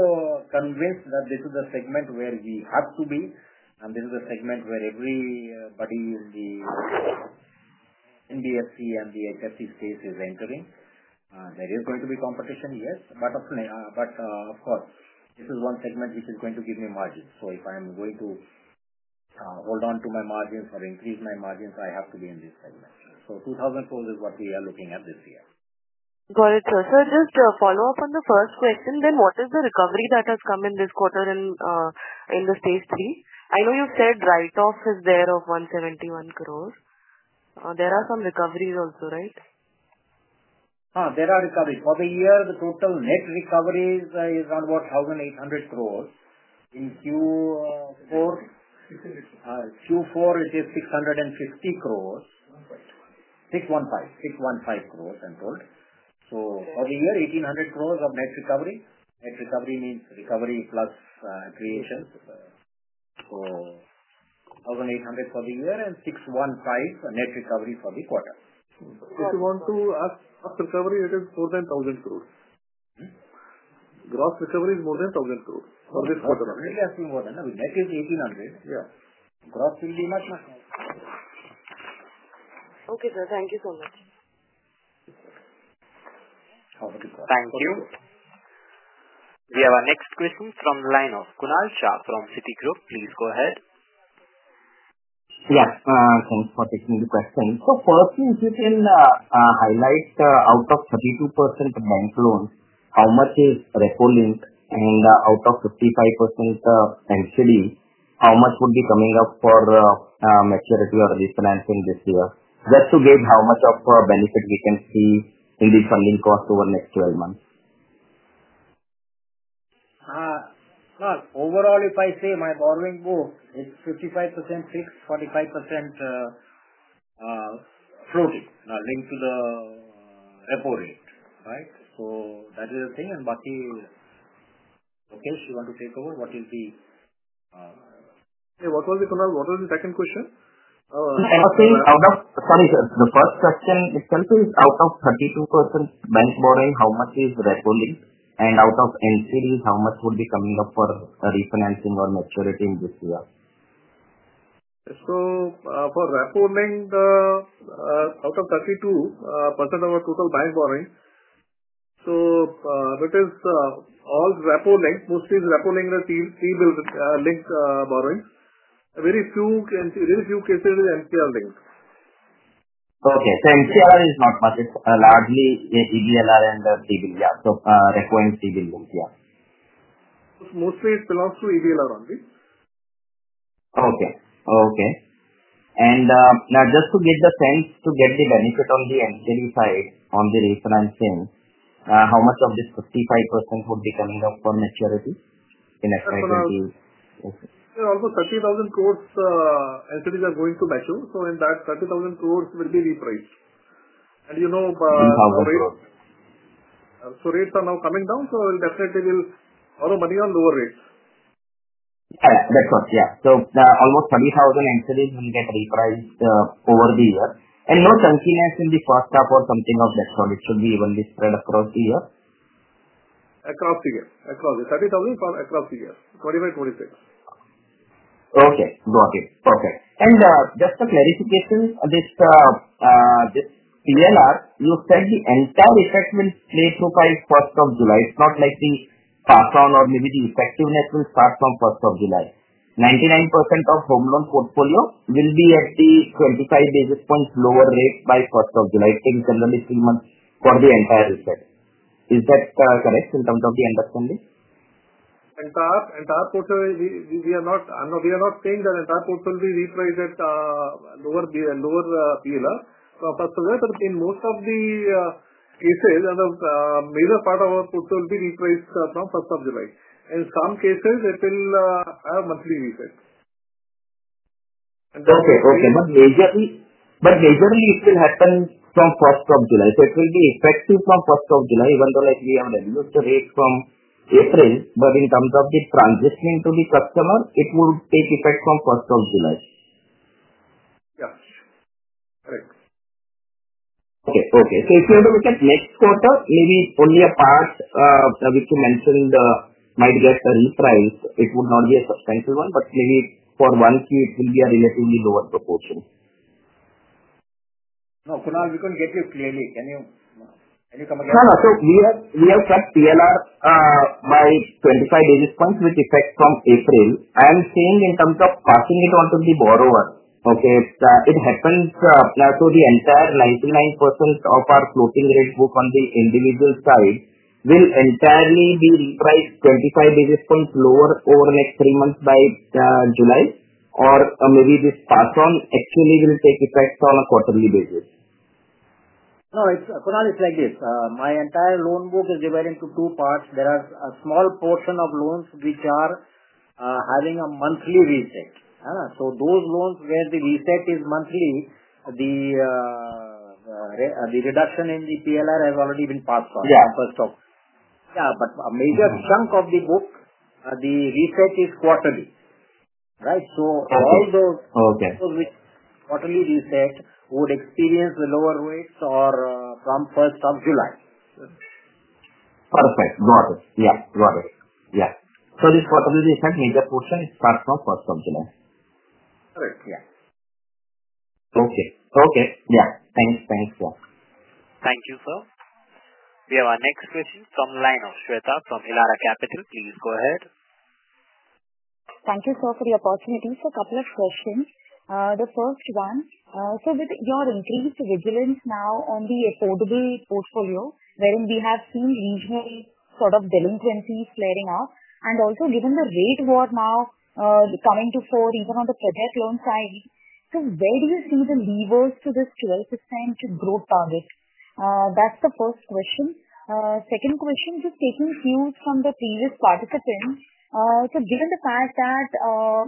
convinced that this is the segment where we have to be, and this is the segment where everybody in the NBFC and the HFC space is entering. There is going to be competition, yes. Of course, this is one segment which is going to give me margins. If I am going to hold on to my margins or increase my margins, I have to be in this segment. 2,000 crore is what we are looking at this year. Got it, sir. Sir, just to follow up on the first question, then what is the recovery that has come in this quarter in the stage three? I know you said write-off is there of 171 crore. There are some recoveries also, right? There are recoveries. For the year, the total net recoveries is around about 1,800 crore. In Q4, Q4 is 650 crore. 615, 615 crore in total. So for the year, 1,800 crore of net recovery. Net recovery means recovery plus creation. So 1,800 for the year and 615 net recovery for the quarter. If you want to ask gross recovery, it is more than 1,000 crore. Gross recovery is more than 1,000 crore for this quarter. Definitely has been more than that. Net is 1,800. Yeah. Gross will be much, much higher. Okay, sir. Thank you so much. Thank you. We have our next question from the line of Kunal Shah from Citigroup, please go ahead. Yes. Thanks for taking the question. First, if you can highlight out of 32% bank loans, how much is recalling, and out of 55% NCD, how much would be coming up for maturity or refinancing this year? Just to gauge how much of a benefit we can see in the funding cost over the next 12 months. Overall, if I say my borrowing book, it's 55% fixed, 45% floating linked to the repo rate, right? That is the thing. Bhatti, in your case, you want to take over? What is the? What was it, Kunal? What was the second question? Sorry, sir. The first question itself is out of 32% bank borrowing, how much is recalling? And out of NCDs, how much would be coming up for refinancing or maturity in this year? For recalling, out of 32% of our total bank borrowing, that is all recalling. Mostly it is recalling the T-bill linked borrowing. Very few cases are NPL linked. Okay. NPL is not much. It's largely EBLR and T-bill. Yeah. Recurring T-bill linked. Yeah. Mostly it belongs to EBLR only. Okay. Okay. Now, just to get the sense, to get the benefit on the NCD side on the refinancing, how much of this 55% would be coming up for maturity in FY2020? Also, 30,000 crore NCDs are going to mature. In that, 30,000 crore will be repriced. And you know. 3,000 crores. Rates are now coming down, so definitely we'll borrow money on lower rates. That's right. Yeah. So almost 30,000 NCDs will get repriced over the year. And no chunkiness in the first half or something of that sort. It should be evenly spread across the year. Across the year. 30,000 across the year. 2025, 2026. Okay. Got it. Okay. Just a clarification, this PLR, you said the entire effect will play through by July 1. It's not like the pass-on or maybe the effectiveness will start from July 1. 99% of home loan portfolio will be at the 25 basis points lower rate by July 1, taking generally three months for the entire effect. Is that correct in terms of the understanding? Entire portfolio, we are not saying that entire portfolio will be repriced at lower PLR. In most of the cases, a major part of our portfolio will be repriced from 1st of July. In some cases, it will have monthly effect. Okay. Okay. Majorly it will happen from 1st of July. It will be effective from 1st of July, even though we have reduced the rate from April. In terms of the transitioning to the customer, it will take effect from 1st of July. Yes. Correct. Okay. Okay. So if you have to look at next quarter, maybe only a part of which you mentioned might get repriced, it would not be a substantial one, but maybe for one key, it will be a relatively lower proportion. No, Kunal, we couldn't get you clearly. Can you come again? No, no. We have set PLR by 25 basis points with effect from April. I am saying in terms of passing it on to the borrower, okay, it happens so the entire 99% of our floating rate book on the individual side will entirely be repriced 25 basis points lower over the next three months by July, or maybe this pass-on actually will take effect on a quarterly basis. No, Kunal, it's like this. My entire loan book is divided into two parts. There are a small portion of loans which are having a monthly reset. So those loans where the reset is monthly, the reduction in the PLR has already been passed on. Yeah. Yeah. A major chunk of the book, the reset is quarterly, right? All those quarterly reset would experience the lower rates from 1st of July. Perfect. Got it. Yeah. So this quarterly reset, major portion is passed from 1st of July. Correct. Yeah. Okay. Yeah. Thanks. Yeah. Thank you, sir. We have our next question from LINE-OFF. Shweta from Elara Capital, please go ahead. Thank you, sir, for the opportunity. A couple of questions. The first one, with your increased vigilance now on the affordable portfolio, wherein we have seen regional sort of delinquencies flaring up, and also given the rate war now coming to fore even on the project loan side, where do you see the levers to this 12% growth target? That is the first question. Second question, just taking cues from the previous participants. Given the fact that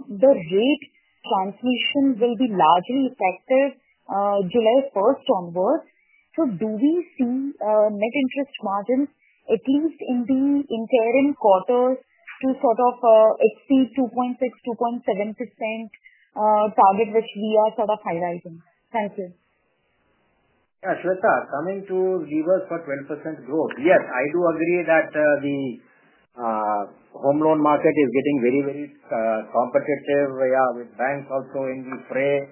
the rate transmission will be largely effective July 1 onwards, do we see net interest margins at least in the interim quarters to sort of exceed the 2.6%-2.7% target which we are sort of highlighting? Thank you. Yeah. Shweta, coming to levers for 12% growth, yes, I do agree that the home loan market is getting very, very competitive, yeah, with banks also in the fray,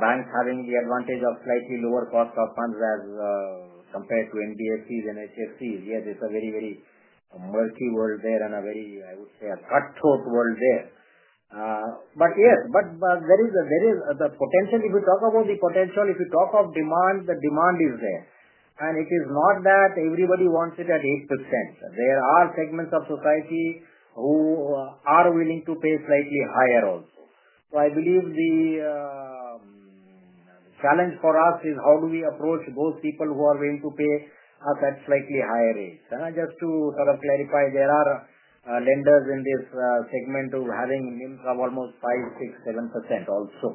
banks having the advantage of slightly lower cost of funds as compared to NBFCs and HFCs. Yes, it is a very, very murky world there and a very, I would say, a cutthroat world there. Yes, there is the potential. If we talk about the potential, if you talk of demand, the demand is there. It is not that everybody wants it at 8%. There are segments of society who are willing to pay slightly higher also. I believe the challenge for us is how do we approach those people who are willing to pay us at slightly higher rates. Just to sort of clarify, there are lenders in this segment who are having income almost 5%, 6%, 7% also.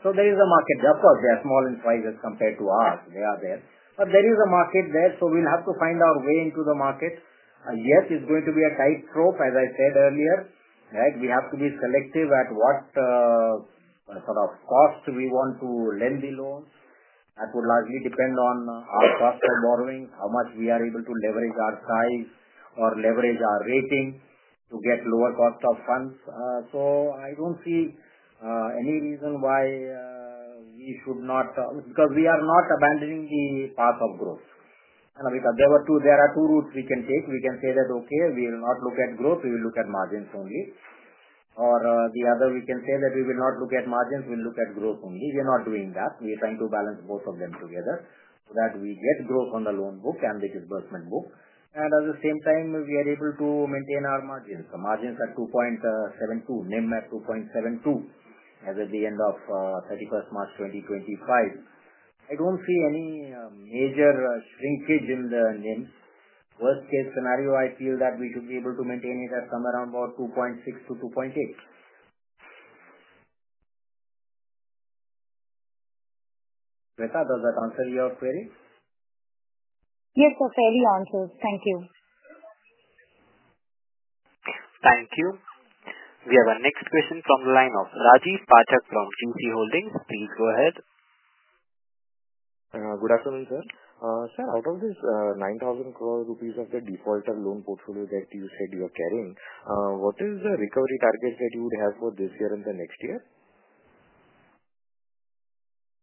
There is a market. Of course, they are small in size as compared to us. They are there. There is a market there, so we'll have to find our way into the market. Yes, it's going to be a tight rope, as I said earlier, right? We have to be selective at what sort of cost we want to lend the loans. That would largely depend on our cost of borrowing, how much we are able to leverage our size or leverage our rating to get lower cost of funds. I don't see any reason why we should not because we are not abandoning the path of growth. There are two routes we can take. We can say that, okay, we will not look at growth. We will look at margins only. Or the other, we can say that we will not look at margins. We will look at growth only. We are not doing that. We are trying to balance both of them together so that we get growth on the loan book and the disbursement book. At the same time, we are able to maintain our margins. The margins are 2.72, NIM at 2.72 as of the end of 31 March 2025. I do not see any major shrinkage in the NIM. Worst-case scenario, I feel that we should be able to maintain it at somewhere around about 2.6-2.8. Shweta, does that answer your query? Yes, sir, fairly answers. Thank you. Thank you. We have our next question from the line of Rajiv Pathak from GC Holdings. Please go ahead. Good afternoon, sir. Sir, out of this 9,000 crore rupees of the defaulted loan portfolio that you said you are carrying, what is the recovery target that you would have for this year and the next year?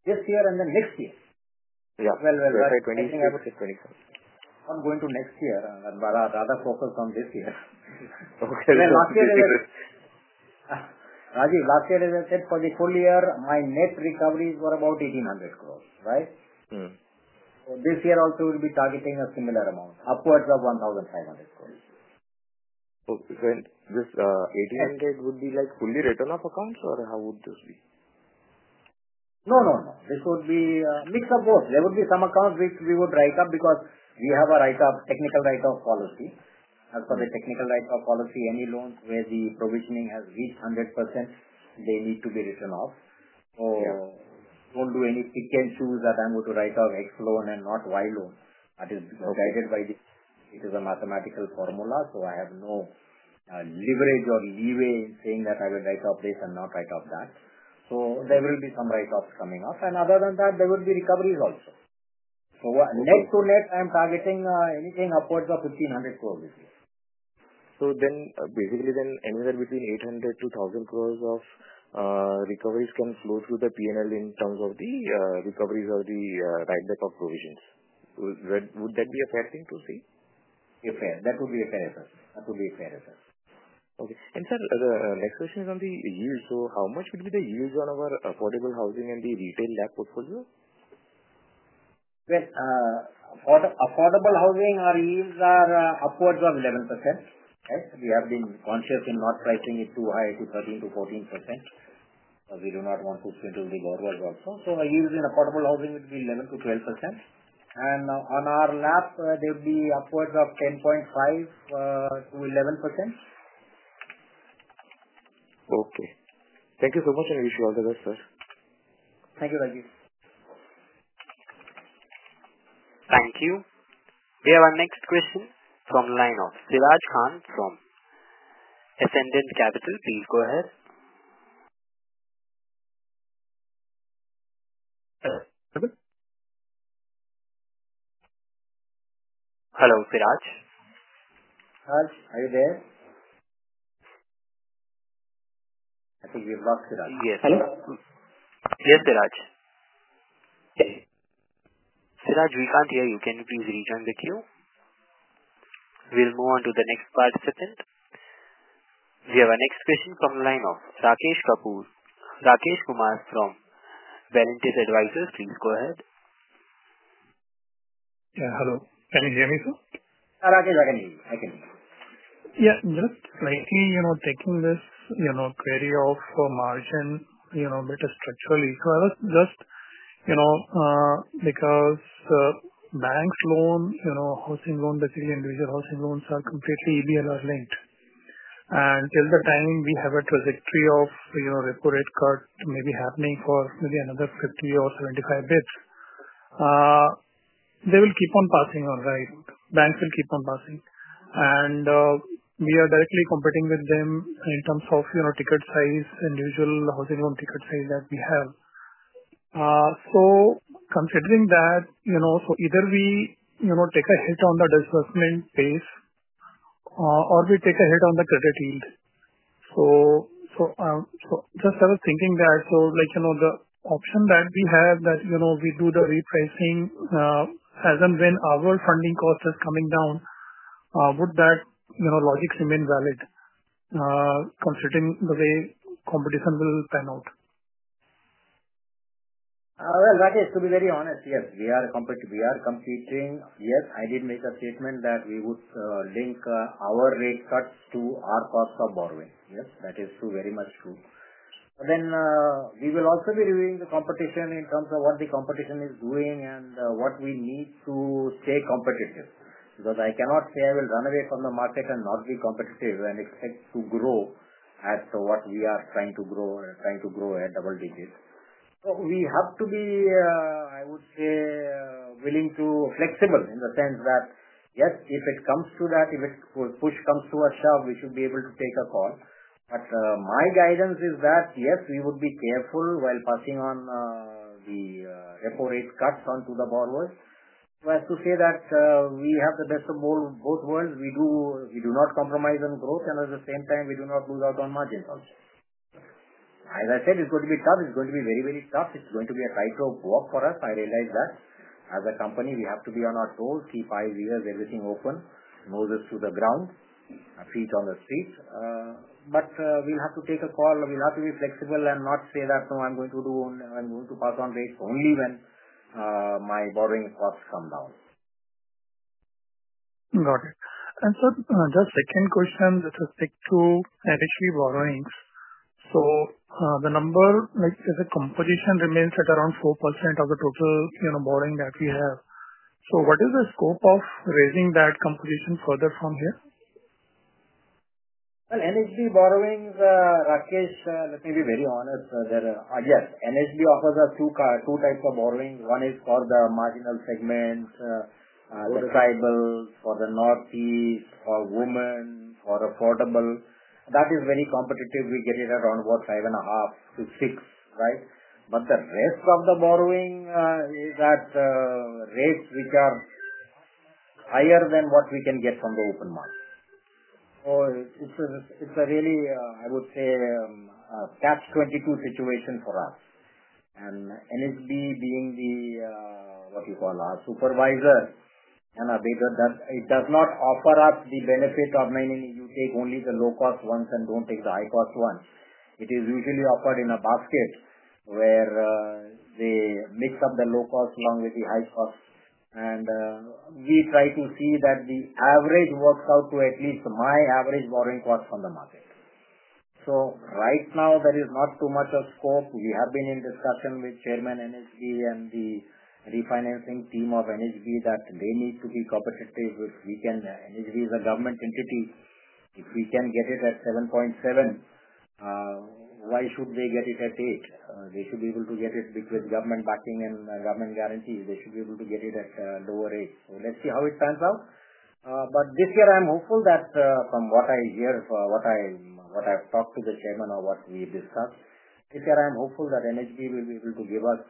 This year and the next year? Yeah. I think I would say 25. I'm going to next year and rather focus on this year. Last year, as I said, for the full year, my net recovery is for about 1,800 crore, right? This year also will be targeting a similar amount, upwards of 1,500 crore. Okay. This 1,800 crore would be like fully written off accounts or how would this be? No, no, no. This would be a mix of both. There would be some accounts which we would write up because we have a write-off, technical write-off policy. As per the technical write-off policy, any loans where the provisioning has reached 100%, they need to be written off. Do not do any pick and choose that I am going to write off X loan and not Y loan. That is guided by the, it is a mathematical formula, so I have no leverage or leeway in saying that I will write off this and not write off that. There will be some write-offs coming up. Other than that, there would be recoveries also. Net to net, I am targeting anything upwards of 1,500 crore this year. Basically, then anywhere between 800 crore-1,000 crore of recoveries can flow through the P&L in terms of the recoveries or the write-back of provisions. Would that be a fair thing to see? That would be a fair effort. Okay. Sir, the next question is on the yield. How much would be the yields on our affordable housing and the retail LAP portfolio? Affordable housing, our yields are upwards of 11%. We have been conscious in not pricing it too high, to 13-14%. We do not want to swindle the borrowers also. Our yields in affordable housing would be 11-12%. On our LAP, they would be upwards of 10.5-11%. Okay. Thank you so much, and wish you all the best, sir. Thank you, Rajiv. Thank you. We have our next question from Siraj Khan from Ascendent Capital. Please go ahead. Hello, Siraj. Siraj, are you there? I think we've lost Siraj. Yes. Yes, Siraj. Siraj, we can't hear you. Can you please rejoin the queue? We'll move on to the next participant. We have our next question from Rakesh Kumar from Berentis Advisors. Please go ahead. Yeah. Hello. Can you hear me, sir? Rakesh, I can hear you. I can hear you. Yeah. Just slightly taking this query off margin a bit structurally. I was just because banks' loan, housing loan, basically individual housing loans are completely EBLR linked. Till the time we have a trajectory of repo rate cut maybe happening for maybe another 50 or 75 basis points, they will keep on passing on, right? Banks will keep on passing. We are directly competing with them in terms of ticket size, individual housing loan ticket size that we have. Considering that, either we take a hit on the disbursement base or we take a hit on the credit yield. I was thinking that. The option that we have, that we do the repricing as and when our funding cost is coming down, would that logic remain valid considering the way competition will pan out? Rakesh, to be very honest, yes, we are competing. Yes, I did make a statement that we would link our rate cuts to our cost of borrowing. Yes, that is true, very much true. However, we will also be reviewing the competition in terms of what the competition is doing and what we need to stay competitive. Because I cannot say I will run away from the market and not be competitive and expect to grow at what we are trying to grow or trying to grow at double digits. We have to be, I would say, willing to be flexible in the sense that, yes, if it comes to that, if push comes to a shove, we should be able to take a call. My guidance is that, yes, we would be careful while passing on the repo rate cuts onto the borrowers. As to say that we have the best of both worlds, we do not compromise on growth, and at the same time, we do not lose out on margins also. As I said, it's going to be tough. It's going to be very, very tough. It's going to be a tightrope walk for us. I realize that. As a company, we have to be on our toes, keep eyes here, everything open, noses to the ground, feet on the street. We'll have to take a call. We'll have to be flexible and not say that, "No, I'm going to do only, I'm going to pass on rates only when my borrowing costs come down. Got it. Sir, the second question that I'll stick to NHB borrowings. The number, the composition remains at around 4% of the total borrowing that we have. What is the scope of raising that composition further from here? NHB borrowings, Rakesh, let me be very honest. Yes, NHB offers us two types of borrowing. One is for the marginal segment, the tribal, for the Northeast, for women, for affordable. That is very competitive. We get it at around 5.5%-6%, right? The rest of the borrowing is at rates which are higher than what we can get from the open market. It is really, I would say, a catch-22 situation for us. NHB being the, what you call, our supervisor and a bigger, it does not offer us the benefit of, "I mean, you take only the low-cost ones and do not take the high-cost ones." It is usually offered in a basket where they mix up the low-cost along with the high-cost. We try to see that the average works out to at least my average borrowing cost from the market. Right now, there is not too much of scope. We have been in discussion with Chairman NHB and the refinancing team of NHB that they need to be competitive with. NHB is a government entity. If we can get it at 7.7, why should they get it at 8? They should be able to get it with government backing and government guarantees. They should be able to get it at lower rates. Let's see how it pans out. This year, I'm hopeful that from what I hear, what I've talked to the Chairman or what we discussed, this year, I'm hopeful that NHB will be able to give us,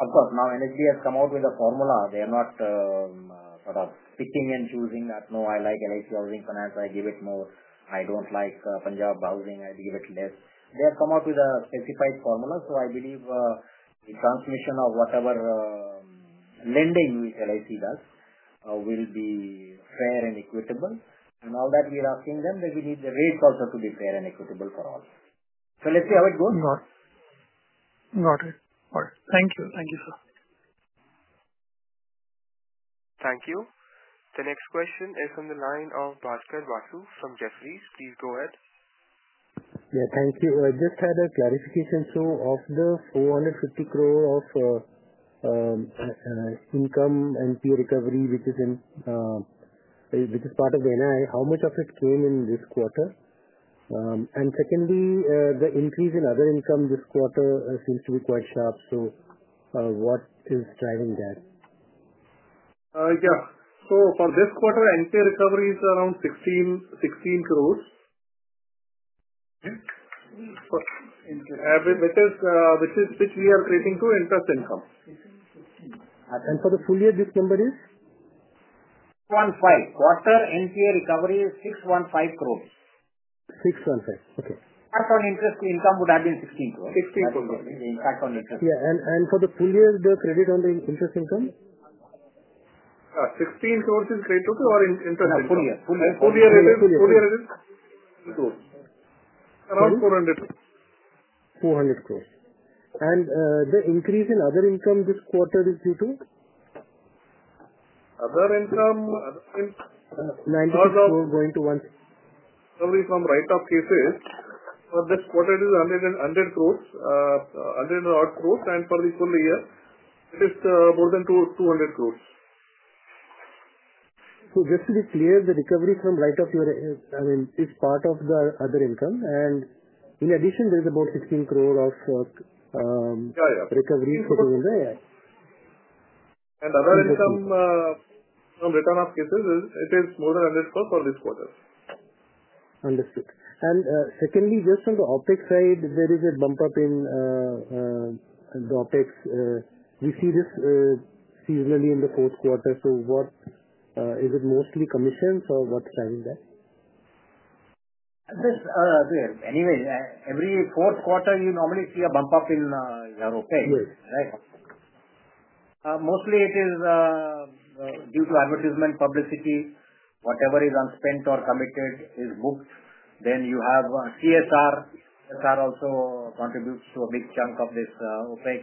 of course, now NHB has come out with a formula. They are not sort of picking and choosing that, "No, I like LIC Housing Finance. I give it more. I do not like Punjab Housing. I give it less." They have come out with a specified formula. I believe the transmission of whatever lending which LIC does will be fair and equitable. All that we are asking them, they will need the rates also to be fair and equitable for all. Let us see how it goes. Got it. All right. Thank you. Thank you, sir. Thank you. The next question is from the line of Bhaskar Basu from Jefferies. Please go ahead. Yeah. Thank you. I just had a clarification, sir, of the 450 crore of income NPA recovery, which is part of the NII. How much of it came in this quarter? Secondly, the increase in other income this quarter seems to be quite sharp. What is driving that? Yeah. For this quarter, NPA recovery is around 16 crore, which we are creating to interest income. For the full year, this number is? Quarter NPA recovery is 615 crore. 615. Okay. Tax on interest income would have been 16 crore. 16 crores. Tax on interest. Yeah. For the full year, the credit on the interest income? 16 crore is credit on the interest income. Full year. Full year. Full year. Full year. Crores. Around 400 crore. 400 crore. The increase in other income this quarter is due to? Other income? 90% going to. Recovery from write-off cases for this quarter is 100 crore, 100 crore. For the full year, it is more than 200 crore. Just to be clear, the recovery from write-off, I mean, is part of the other income. In addition, there is about 16 crore of recovery sitting in there. Yeah. Yeah. And other income from return of cases, it is more than 100 crore for this quarter. Understood. Secondly, just on the OpEx side, there is a bump up in the OpEx. We see this seasonally in the fourth quarter. Is it mostly commissions or what is driving that? Anyway, every fourth quarter, you normally see a bump up in your OpEx, right? Mostly, it is due to advertisement, publicity. Whatever is unspent or committed is booked. Then you have CSR. CSR also contributes to a big chunk of this OpEx.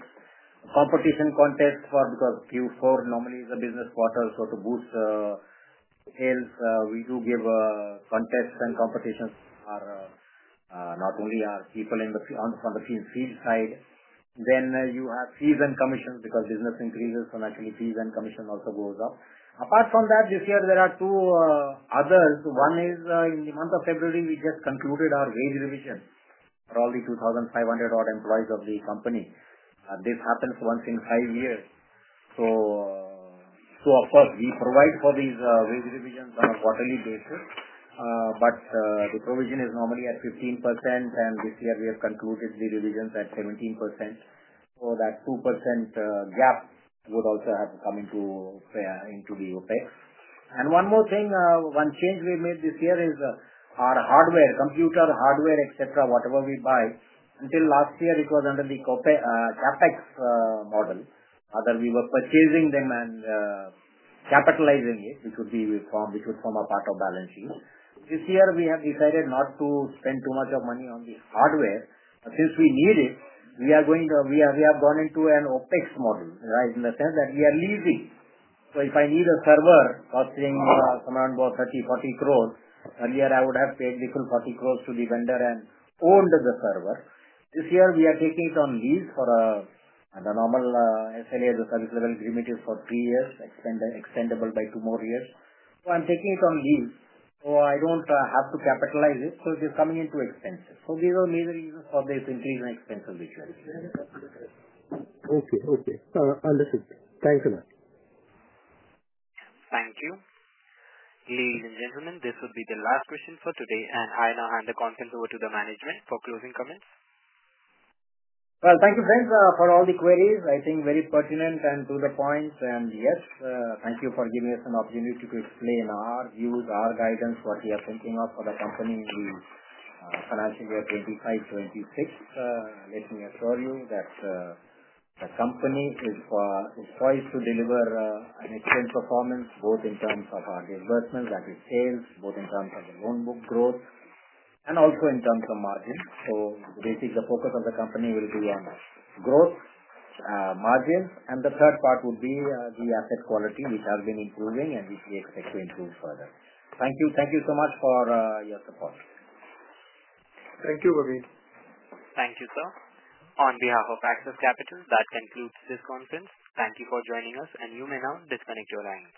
Competition contests because Q4 normally is a business quarter. To boost sales, we do give contests and competitions not only our people on the field side. Then you have fees and commissions because business increases. Naturally, fees and commission also goes up. Apart from that, this year, there are two others. One is in the month of February, we just concluded our wage revision for all the 2,500-odd employees of the company. This happens once in five years. Of course, we provide for these wage revisions on a quarterly basis. The provision is normally at 15%. This year, we have concluded the revisions at 17%. That 2% gap would also have to come into the OPEX. One more thing, one change we have made this year is our hardware, computer hardware, etc., whatever we buy. Until last year, it was under the CapEx model. Rather, we were purchasing them and capitalizing it, which would form a part of balance sheet. This year, we have decided not to spend too much of money on the hardware. Since we need it, we are going into an OPEX model, right, in the sense that we are leasing. If I need a server costing somewhere around 30-40 crore, earlier, I would have paid the full 40 crore to the vendor and owned the server. This year, we are taking it on lease for a normal SLA, the service level agreement is for three years, extendable by two more years. I am taking it on lease. I do not have to capitalize it. It is coming into expenses. These are the main reasons for this increase in expenses this year. Okay. Okay. Understood. Thanks a lot. Thank you. Ladies and gentlemen, this would be the last question for today. I now hand the content over to the management for closing comments. Thank you, friends, for all the queries. I think very pertinent and to the point. Yes, thank you for giving us an opportunity to explain our views, our guidance, what we are thinking of for the company in the financial year 2025-2026. Let me assure you that the company is poised to deliver an excellent performance both in terms of our disbursements, that is, sales, both in terms of the loan book growth, and also in terms of margins. Basically, the focus of the company will be on growth, margins. The third part would be the asset quality, which has been improving and which we expect to improve further. Thank you. Thank you so much for your support. Thank you, Praveen. Thank you, sir. On behalf of Access Capital, that concludes this conference. Thank you for joining us. You may now disconnect your line.